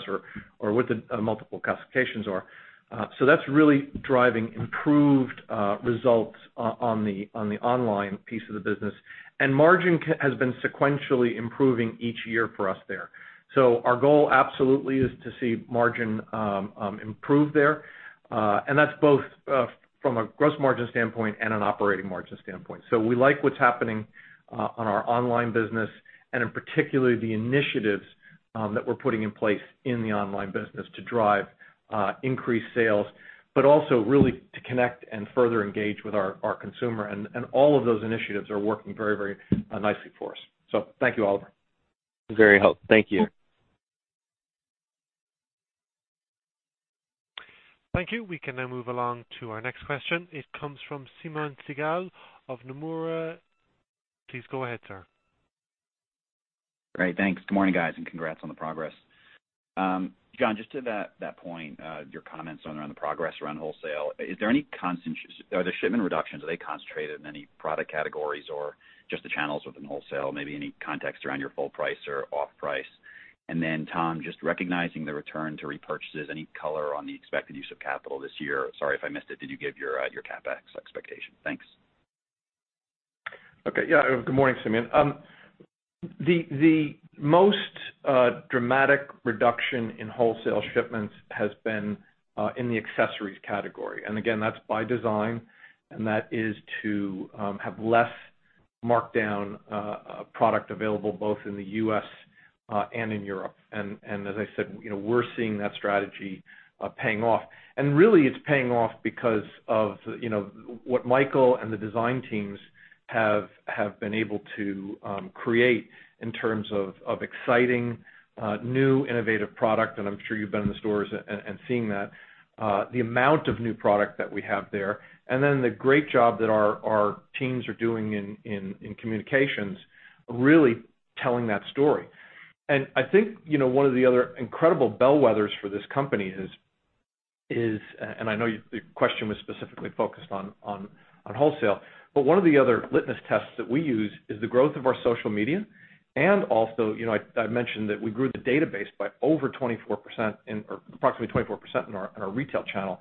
or with the multiple classifications are. That's really driving improved results on the online piece of the business. Margin has been sequentially improving each year for us there. Our goal absolutely is to see margin improve there. That's both from a gross margin standpoint and an operating margin standpoint. We like what's happening on our online business and in particular, the initiatives that we're putting in place in the online business to drive increased sales, but also really to connect and further engage with our consumer. All of those initiatives are working very nicely for us. Thank you, Oliver. Very helpful. Thank you. Thank you. We can now move along to our next question. It comes from Simeon Siegel of Nomura. Please go ahead, sir. Great. Thanks. Good morning, guys, and congrats on the progress. John, just to that point, your comments around the progress around wholesale. The shipment reductions, are they concentrated in any product categories or just the channels within wholesale? Maybe any context around your full price or off price. Tom, just recognizing the return to repurchases, any color on the expected use of capital this year? Sorry if I missed it. Did you give your CapEx expectation? Thanks. Okay. Yeah. Good morning, Simeon. The most dramatic reduction in wholesale shipments has been in the accessories category. That's by design, and that is to have less markup down a product available both in the U.S. and in Europe. As I said, we're seeing that strategy paying off. Really it's paying off because of what Michael and the design teams have been able to create in terms of exciting, new, innovative product, and I'm sure you've been in the stores and seen that. The amount of new product that we have there, and then the great job that our teams are doing in communications, really telling that story. I think one of the other incredible bellwethers for this company is, I know the question was specifically focused on wholesale, one of the other litmus tests that we use is the growth of our social media. Also, I mentioned that we grew the database by over 24%, or approximately 24% in our retail channel.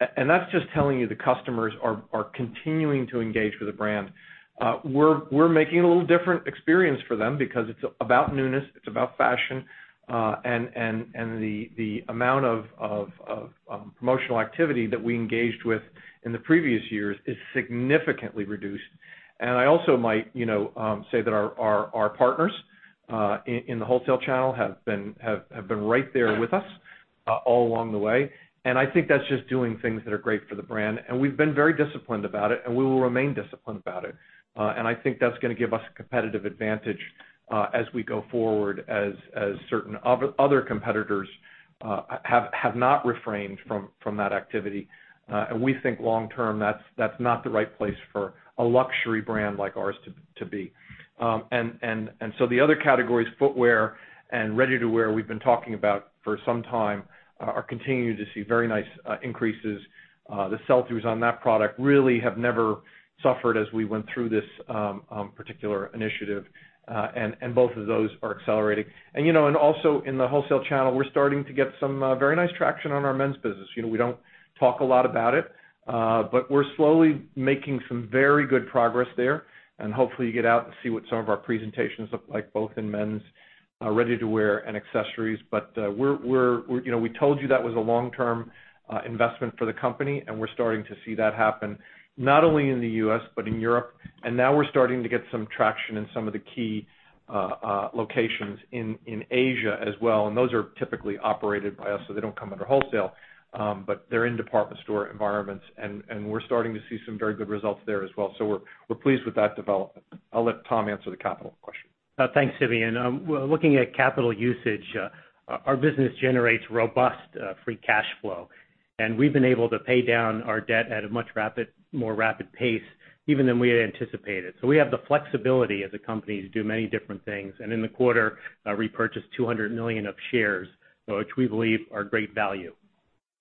That's just telling you the customers are continuing to engage with the brand. We're making a little different experience for them because it's about newness, it's about fashion, and the amount of promotional activity that we engaged with in the previous years is significantly reduced. I also might say that our partners in the wholesale channel have been right there with us all along the way. I think that's just doing things that are great for the brand. We've been very disciplined about it, we will remain disciplined about it. I think that's going to give us competitive advantage as we go forward, as certain other competitors have not refrained from that activity. We think long term, that's not the right place for a luxury brand like ours to be. The other categories, footwear and ready-to-wear we've been talking about for some time, are continuing to see very nice increases. The sell-throughs on that product really have never suffered as we went through this particular initiative, and both of those are accelerating. Also in the wholesale channel, we're starting to get some very nice traction on our men's business. We don't talk a lot about it, but we're slowly making some very good progress there. Hopefully you get out and see what some of our presentations look like, both in men's ready-to-wear and accessories. We told you that was a long-term investment for the company, and we're starting to see that happen, not only in the U.S. but in Europe. Now we're starting to get some traction in some of the key locations in Asia as well. Those are typically operated by us, so they don't come under wholesale. They're in department store environments, and we're starting to see some very good results there as well. We're pleased with that development. I'll let Tom answer the capital question. Thanks, Simeon. Looking at capital usage, our business generates robust free cash flow. We've been able to pay down our debt at a much more rapid pace even than we had anticipated. We have the flexibility as a company to do many different things, and in the quarter, repurchase $200 million of shares, which we believe are great value.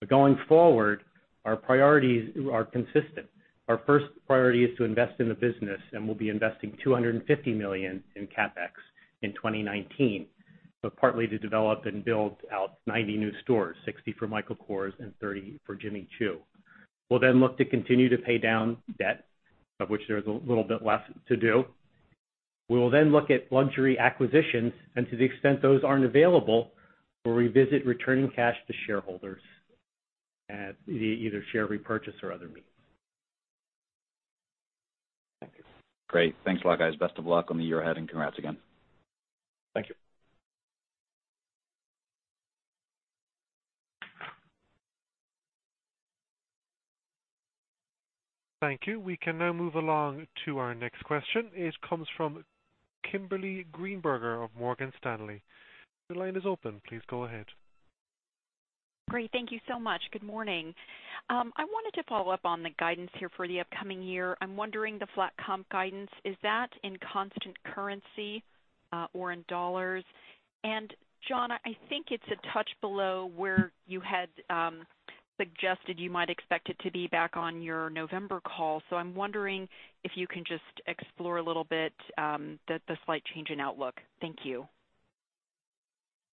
Going forward, our priorities are consistent. Our first priority is to invest in the business. We'll be investing $250 million in CapEx in 2019, partly to develop and build out 90 new stores, 60 for Michael Kors and 30 for Jimmy Choo. We'll look to continue to pay down debt, of which there is a little bit less to do. We will then look at luxury acquisitions, and to the extent those aren't available, we'll revisit returning cash to shareholders at either share repurchase or other means. Thank you. Great. Thanks a lot, guys. Best of luck on the year ahead, and congrats again. Thank you. Thank you. We can now move along to our next question. It comes from Kimberly Greenberger of Morgan Stanley. Your line is open. Please go ahead. Great. Thank you so much. Good morning. I wanted to follow up on the guidance here for the upcoming year. I'm wondering, the flat comp guidance, is that in constant currency or in dollars? John, I think it's a touch below where you had suggested you might expect it to be back on your November call. I'm wondering if you can just explore a little bit the slight change in outlook. Thank you.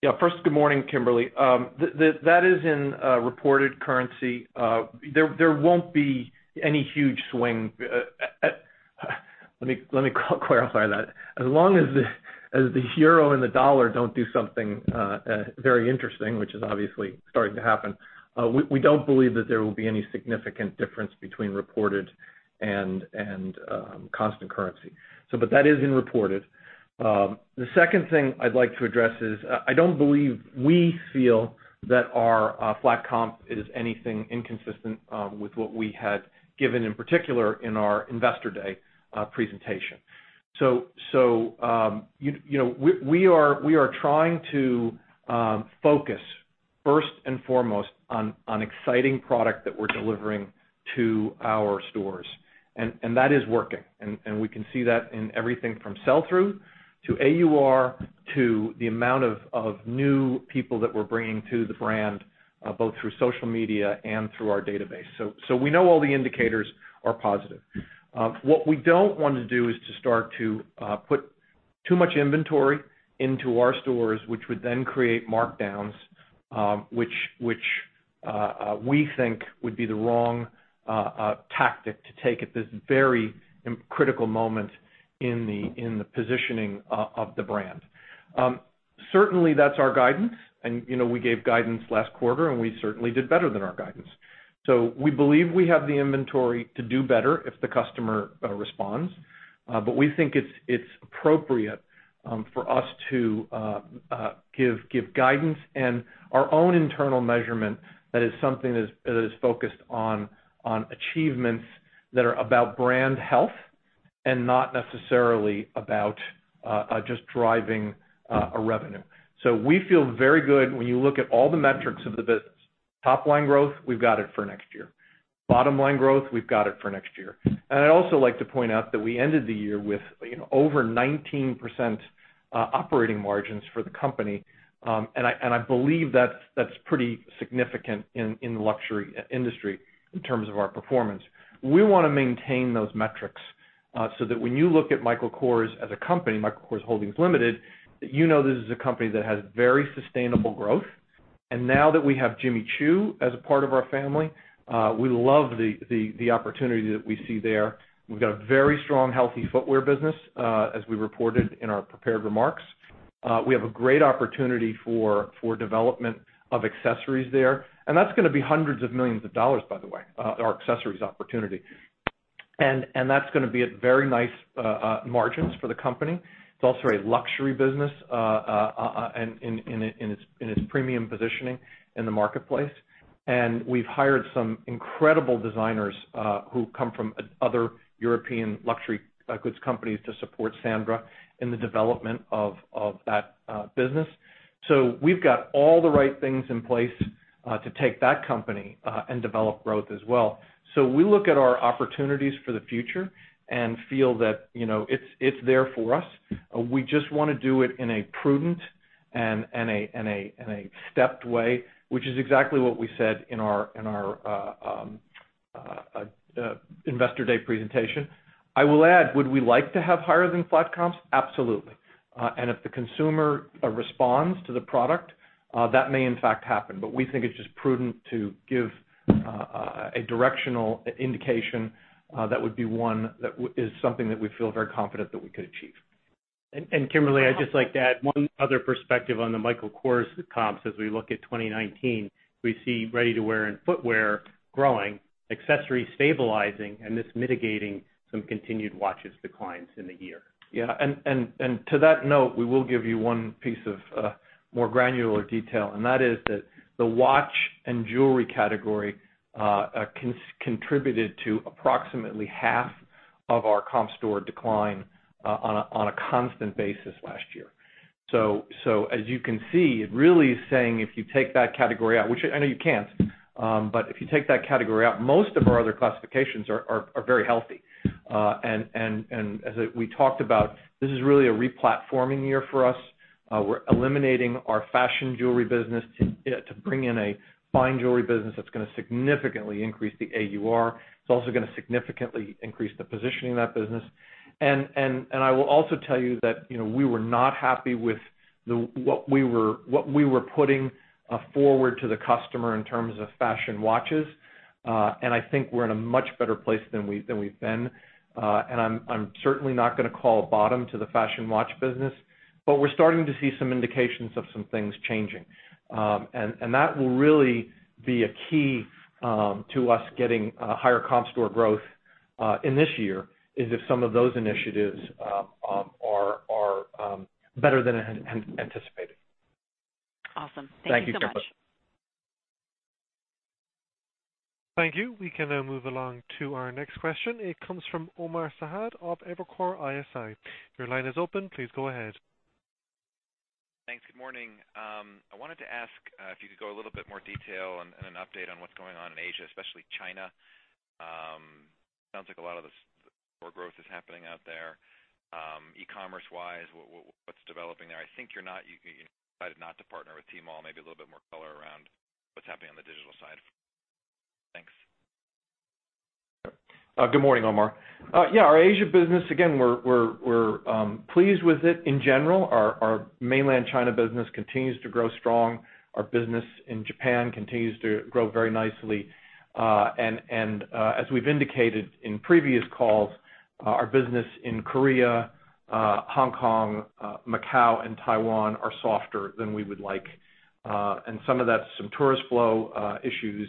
Yeah. First, good morning, Kimberly. That is in reported currency. There won't be any huge swing. Let me clarify that. As long as the euro and the dollar don't do something very interesting, which is obviously starting to happen, we don't believe that there will be any significant difference between reported and constant currency. But that is in reported. The second thing I'd like to address is, I don't believe we feel that our flat comp is anything inconsistent with what we had given, in particular, in our investor day presentation. We are trying to focus first and foremost on exciting product that we're delivering to our stores. That is working. We can see that in everything from sell-through to AUR to the amount of new people that we're bringing to the brand, both through social media and through our database. We know all the indicators are positive. What we don't want to do is to start to put too much inventory into our stores, which would then create markdowns, which we think would be the wrong tactic to take at this very critical moment in the positioning of the brand. Certainly that's our guidance. We gave guidance last quarter, and we certainly did better than our guidance. We believe we have the inventory to do better if the customer responds. We think it's appropriate for us to give guidance and our own internal measurement that is something that is focused on achievements that are about brand health and not necessarily about just driving a revenue. We feel very good when you look at all the metrics of the business. Top line growth, we've got it for next year. Bottom line growth, we've got it for next year. I'd also like to point out that we ended the year with over 19% operating margins for the company. I believe that's pretty significant in the luxury industry in terms of our performance. We want to maintain those metrics so that when you look at Michael Kors as a company, Michael Kors Holdings Limited, that you know this is a company that has very sustainable growth. Now that we have Jimmy Choo as a part of our family, we love the opportunity that we see there. We've got a very strong, healthy footwear business, as we reported in our prepared remarks. We have a great opportunity for development of accessories there, and that's going to be $hundreds of millions, by the way, our accessories opportunity. That's going to be at very nice margins for the company. It's also a luxury business in its premium positioning in the marketplace. We've hired some incredible designers who come from other European luxury goods companies to support Sandra in the development of that business. We've got all the right things in place to take that company and develop growth as well. We look at our opportunities for the future and feel that it's there for us. We just want to do it in a prudent and a stepped way, which is exactly what we said in our investor day presentation. I will add, would we like to have higher than flat comps? Absolutely. If the consumer responds to the product, that may in fact happen. We think it's just prudent to give a directional indication that would be one that is something that we feel very confident that we could achieve. Kimberly, I'd just like to add one other perspective on the Michael Kors comps. As we look at 2019, we see ready-to-wear and footwear growing, accessories stabilizing, and this mitigating some continued watches declines in the year. Yeah. To that note, we will give you one piece of more granular detail, that is that the watch and jewelry category contributed to approximately half of our comp store decline on a constant basis last year. As you can see, it really is saying if you take that category out, which I know you can't, but if you take that category out, most of our other classifications are very healthy. As we talked about, this is really a re-platforming year for us. We're eliminating our fashion jewelry business to bring in a fine jewelry business that's going to significantly increase the AUR. It's also going to significantly increase the positioning of that business. I will also tell you that we were not happy with what we were putting forward to the customer in terms of fashion watches. I think we're in a much better place than we've been. I'm certainly not going to call a bottom to the fashion watch business, but we're starting to see some indications of some things changing. That will really be a key to us getting higher comp store growth in this year, is if some of those initiatives are better than anticipated. Awesome. Thank you so much. Thank you, Kimberly. Thank you. We can now move along to our next question. It comes from Omar Saad of Evercore ISI. Your line is open. Please go ahead. Thanks, good morning. I wanted to ask if you could go a little bit more detail and an update on what's going on in Asia, especially China. Sounds like a lot of the store growth is happening out there. E-commerce wise, what's developing there? I think you decided not to partner with Tmall. Maybe a little bit more color around what's happening on the digital side. Thanks. Good morning, Omar. Our Asia business, again, we're pleased with it in general. Our mainland China business continues to grow strong. Our business in Japan continues to grow very nicely. As we've indicated in previous calls, our business in Korea, Hong Kong, Macau, and Taiwan are softer than we would like. Some of that's some tourist flow issues.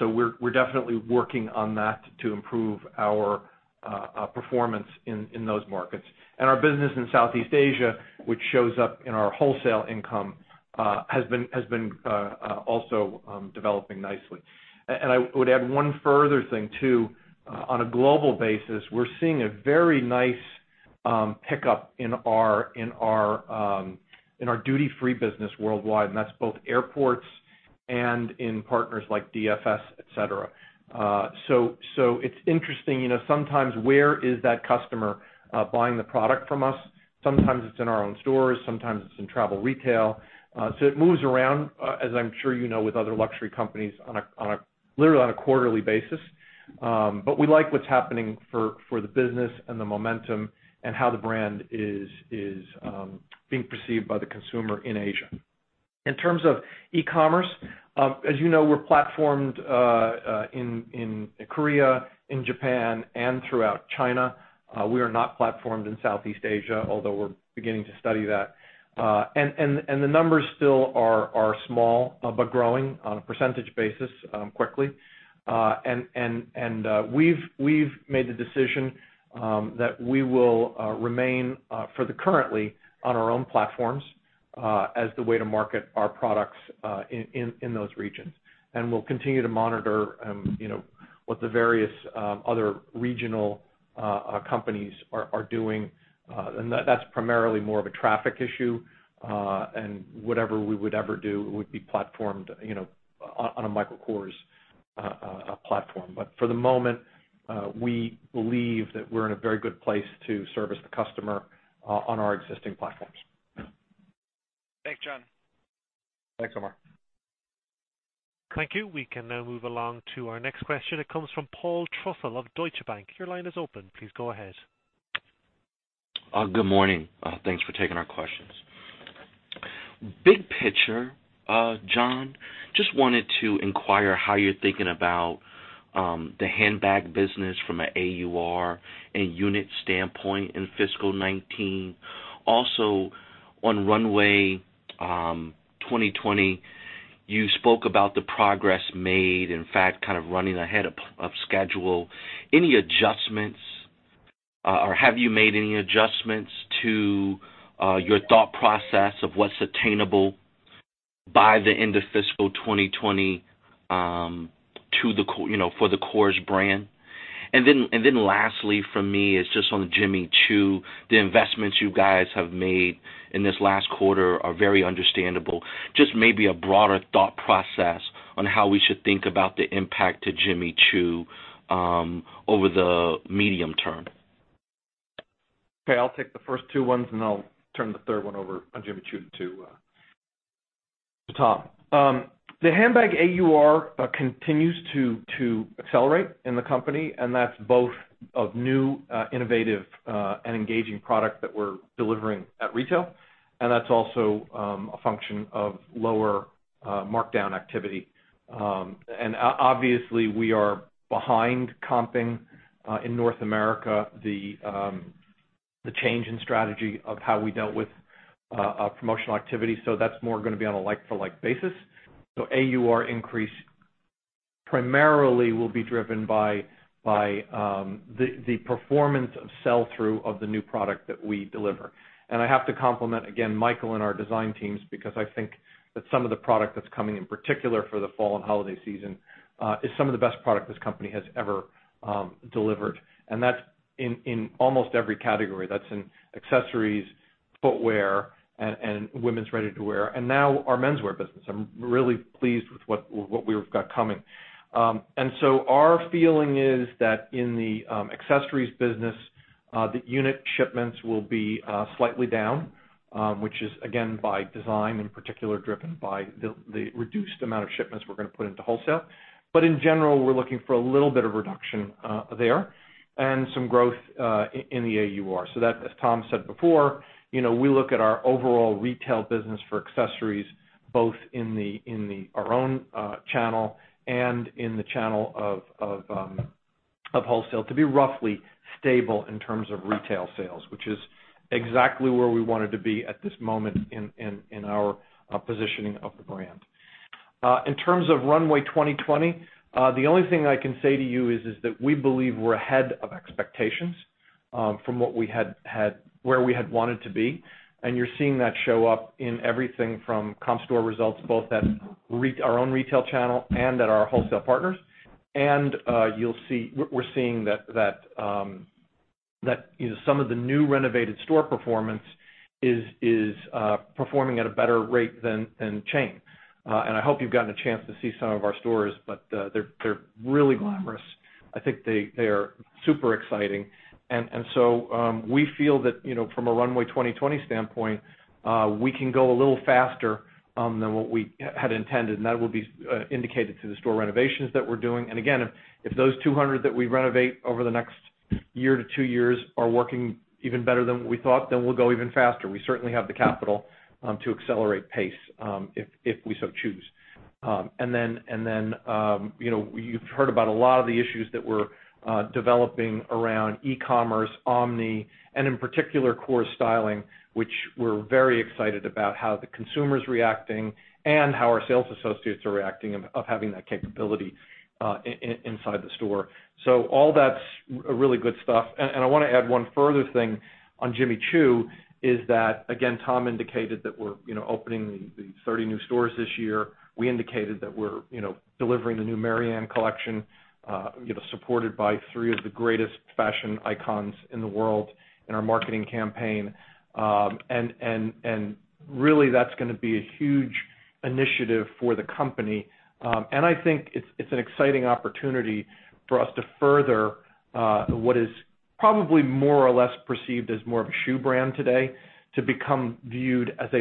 We're definitely working on that to improve our performance in those markets. Our business in Southeast Asia, which shows up in our wholesale income, has been also developing nicely. I would add one further thing, too. On a global basis, we're seeing a very nice pickup in our duty-free business worldwide, and that's both airports and in partners like DFS, et cetera. It's interesting. Sometimes where is that customer buying the product from us? Sometimes it's in our own stores, sometimes it's in travel retail. It moves around, as I'm sure you know, with other luxury companies literally on a quarterly basis. We like what's happening for the business and the momentum and how the brand is being perceived by the consumer in Asia. In terms of e-commerce, as you know, we're platformed in Korea, in Japan, and throughout China. We are not platformed in Southeast Asia, although we're beginning to study that. The numbers still are small, but growing on a percentage basis quickly. We've made the decision that we will remain, for the currently, on our own platforms as the way to market our products in those regions. We'll continue to monitor what the various other regional companies are doing. That's primarily more of a traffic issue. Whatever we would ever do, it would be platformed on a Michael Kors platform. For the moment, we believe that we're in a very good place to service the customer on our existing platforms. Thanks, John. Thanks, Omar. Thank you. We can now move along to our next question. It comes from Paul Trussell of Deutsche Bank. Your line is open. Please go ahead. Good morning. Thanks for taking our questions. Big picture, John, just wanted to inquire how you're thinking about the handbag business from an AUR and unit standpoint in fiscal 2019. Also, on Runway 2020, you spoke about the progress made, in fact, kind of running ahead of schedule. Any adjustments, or have you made any adjustments to your thought process of what's attainable by the end of fiscal 2020 for the Kors brand? Lastly from me is just on Jimmy Choo. The investments you guys have made in this last quarter are very understandable. Just maybe a broader thought process on how we should think about the impact to Jimmy Choo over the medium term. I'll take the first two ones, and then I'll turn the third one over on Jimmy Choo to Tom. The handbag AUR continues to accelerate in the company, and that's both of new, innovative, and engaging product that we're delivering at retail, and that's also a function of lower markdown activity. Obviously, we are behind comping in North America, the change in strategy of how we dealt with promotional activity. That's more going to be on a like-for-like basis. AUR increase primarily will be driven by the performance of sell-through of the new product that we deliver. I have to compliment, again, Michael and our design teams because I think that some of the product that's coming, in particular for the fall and holiday season, is some of the best product this company has ever delivered. That's in almost every category. That's in accessories, footwear, and women's ready-to-wear. Now our menswear business. I'm really pleased with what we've got coming. Our feeling is that in the accessories business, the unit shipments will be slightly down, which is again, by design, in particular, driven by the reduced amount of shipments we're going to put into wholesale. In general, we're looking for a little bit of reduction there and some growth in the AUR. That, as Tom said before, we look at our overall retail business for accessories, both in our own channel and in the channel of wholesale to be roughly stable in terms of retail sales, which is exactly where we wanted to be at this moment in our positioning of the brand. In terms of Runway 2020, the only thing I can say to you is that we believe we're ahead of expectations from where we had wanted to be. You're seeing that show up in everything from comp store results, both at our own retail channel and at our wholesale partners. We're seeing that some of the new renovated store performance is performing at a better rate than chain. I hope you've gotten a chance to see some of our stores, but they're really glamorous. I think they are super exciting. We feel that from a Runway 2020 standpoint, we can go a little faster than what we had intended, and that will be indicated through the store renovations that we're doing. Again, if those 200 that we renovate over the next year to two years are working even better than we thought, then we'll go even faster. We certainly have the capital to accelerate pace if we so choose. Then, you've heard about a lot of the issues that we're developing around e-commerce, omni, and in particular, Kors Style, which we're very excited about how the consumer's reacting and how our sales associates are reacting of having that capability inside the store. All that's really good stuff. I want to add one further thing on Jimmy Choo is that, again, Tom indicated that we're opening the 30 new stores this year. We indicated that we're delivering the new Marianne collection, supported by three of the greatest fashion icons in the world in our marketing campaign. Really that's going to be a huge initiative for the company. I think it's an exciting opportunity for us to further what is probably more or less perceived as more of a shoe brand today to become viewed as a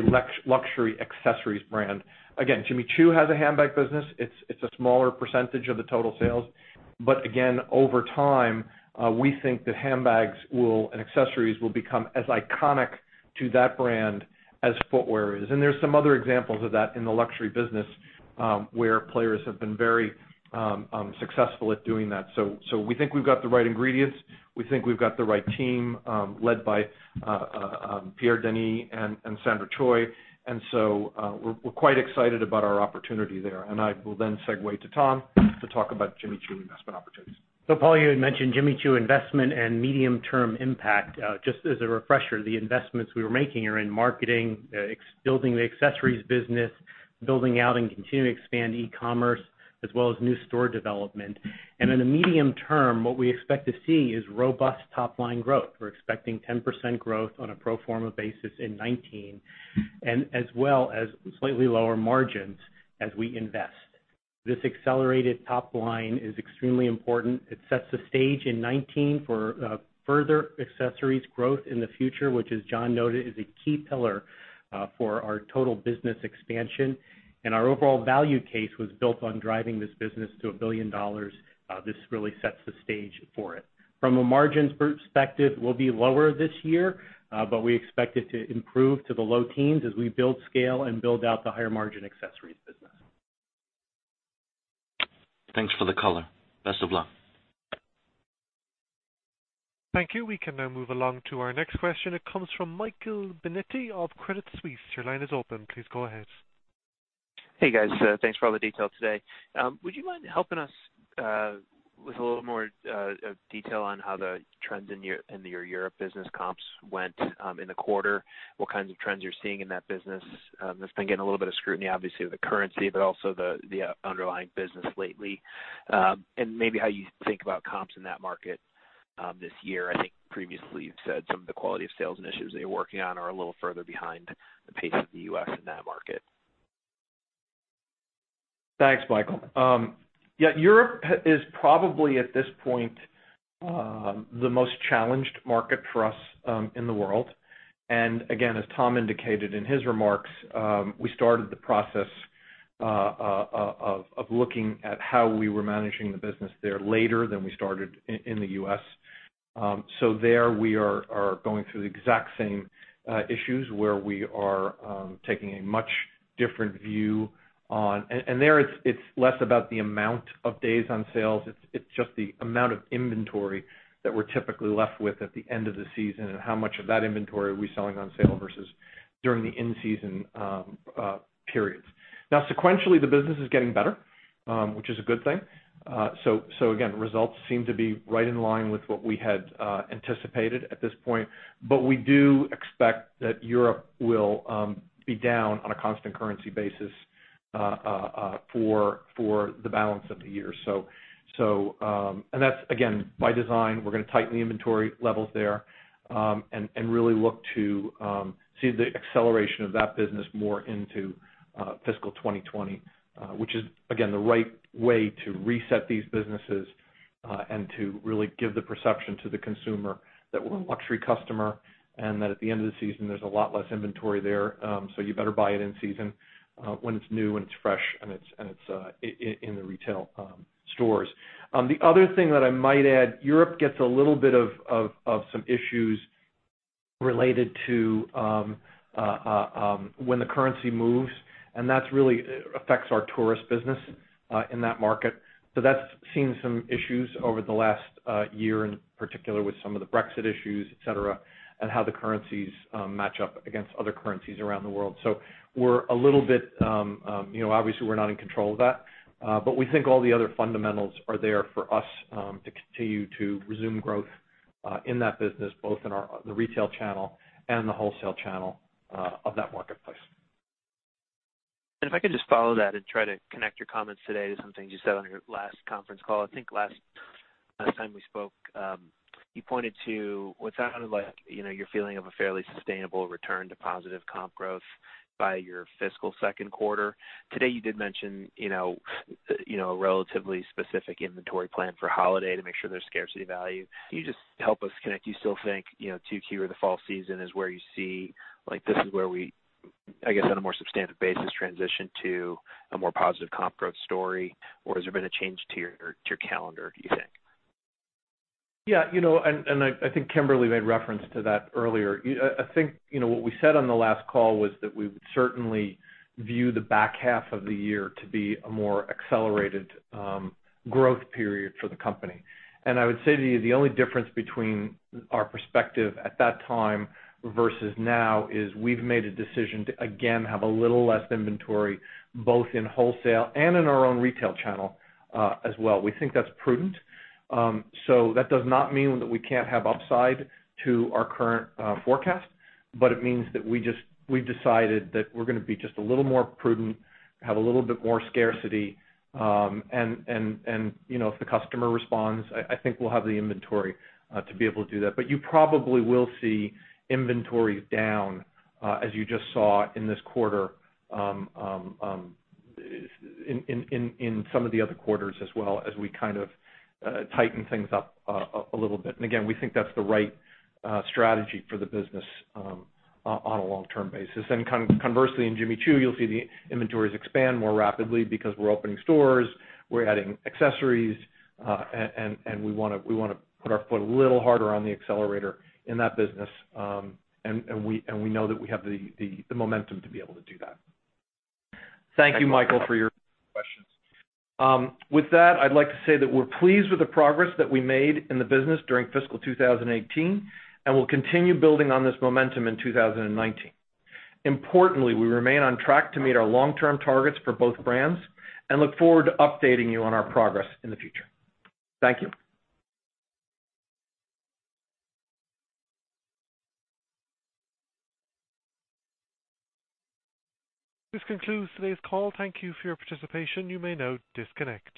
luxury accessories brand. Again, Jimmy Choo has a handbag business. It's a smaller percentage of the total sales. Again, over time, we think that handbags and accessories will become as iconic to that brand as footwear is. There's some other examples of that in the luxury business, where players have been very successful at doing that. We think we've got the right ingredients. We think we've got the right team, led by Pierre Denis and Sandra Choi. We're quite excited about our opportunity there. I will then segue to Tom to talk about Jimmy Choo investment opportunities. Paul, you had mentioned Jimmy Choo investment and medium-term impact. Just as a refresher, the investments we were making are in marketing, building the accessories business, building out and continuing to expand e-commerce, as well as new store development. In the medium term, what we expect to see is robust top-line growth. We're expecting 10% growth on a pro forma basis in 2019, as well as slightly lower margins as we invest. This accelerated top line is extremely important. It sets the stage in 2019 for further accessories growth in the future, which as John noted, is a key pillar for our total business expansion. Our overall value case was built on driving this business to $1 billion. This really sets the stage for it. From a margins perspective, we'll be lower this year, but we expect it to improve to the low teens as we build scale and build out the higher margin accessories business. Thanks for the color. Best of luck. Thank you. We can now move along to our next question. It comes from Michael Binetti of Credit Suisse. Your line is open. Please go ahead. Hey, guys. Thanks for all the detail today. Would you mind helping us with a little more detail on how the trends in your Europe business comps went in the quarter, what kinds of trends you're seeing in that business? That's been getting a little bit of scrutiny, obviously, with the currency, but also the underlying business lately. Maybe how you think about comps in that market this year. I think previously you've said some of the quality of sales initiatives that you're working on are a little further behind the pace of the U.S. in that market. Thanks, Michael. Yeah, Europe is probably at this point, the most challenged market for us in the world. Again, as Tom indicated in his remarks, we started the process of looking at how we were managing the business there later than we started in the U.S. There we are going through the exact same issues where we are taking a much different view. There it's less about the amount of days on sales, it's just the amount of inventory that we're typically left with at the end of the season, and how much of that inventory are we selling on sale versus during the in-season periods. Now sequentially, the business is getting better, which is a good thing. Again, results seem to be right in line with what we had anticipated at this point. We do expect that Europe will be down on a constant currency basis for the balance of the year. That's again, by design. We're going to tighten the inventory levels there, and really look to see the acceleration of that business more into fiscal 2020. Again, the right way to reset these businesses and to really give the perception to the consumer that we're a luxury customer, and that at the end of the season, there's a lot less inventory there, so you better buy it in season when it's new and it's fresh and it's in the retail stores. The other thing that I might add, Europe gets a little bit of some issues related to when the currency moves, and that really affects our tourist business in that market. That's seen some issues over the last year, in particular with some of the Brexit issues, et cetera, and how the currencies match up against other currencies around the world. Obviously we're not in control of that. We think all the other fundamentals are there for us to continue to resume growth in that business, both in the retail channel and the wholesale channel of that marketplace. If I could just follow that and try to connect your comments today to something you said on your last conference call. Last time we spoke, you pointed to what sounded like your feeling of a fairly sustainable return to positive comp growth by your fiscal second quarter. Today you did mention a relatively specific inventory plan for holiday to make sure there's scarcity value. Can you just help us connect, do you still think 2Q or the fall season is where you see this is where we, I guess on a more substantive basis, transition to a more positive comp growth story? Or has there been a change to your calendar, do you think? Kimberly made reference to that earlier. What we said on the last call was that we would certainly view the back half of the year to be a more accelerated growth period for the company. I would say to you, the only difference between our perspective at that time versus now is we've made a decision to, again, have a little less inventory both in wholesale and in our own retail channel as well. We think that's prudent. That does not mean that we can't have upside to our current forecast, but it means that we've decided that we're going to be just a little more prudent, have a little bit more scarcity. If the customer responds, we'll have the inventory to be able to do that. You probably will see inventories down as you just saw in this quarter, in some of the other quarters as well, as we tighten things up a little bit. Again, we think that's the right strategy for the business on a long-term basis. Conversely, in Jimmy Choo, you'll see the inventories expand more rapidly because we're opening stores, we're adding accessories, and we want to put our foot a little harder on the accelerator in that business. We know that we have the momentum to be able to do that. Thank you, Michael, for your questions. With that, I'd like to say that we're pleased with the progress that we made in the business during fiscal 2018, and we'll continue building on this momentum in 2019. Importantly, we remain on track to meet our long-term targets for both brands and look forward to updating you on our progress in the future. Thank you. This concludes today's call. Thank you for your participation. You may now disconnect.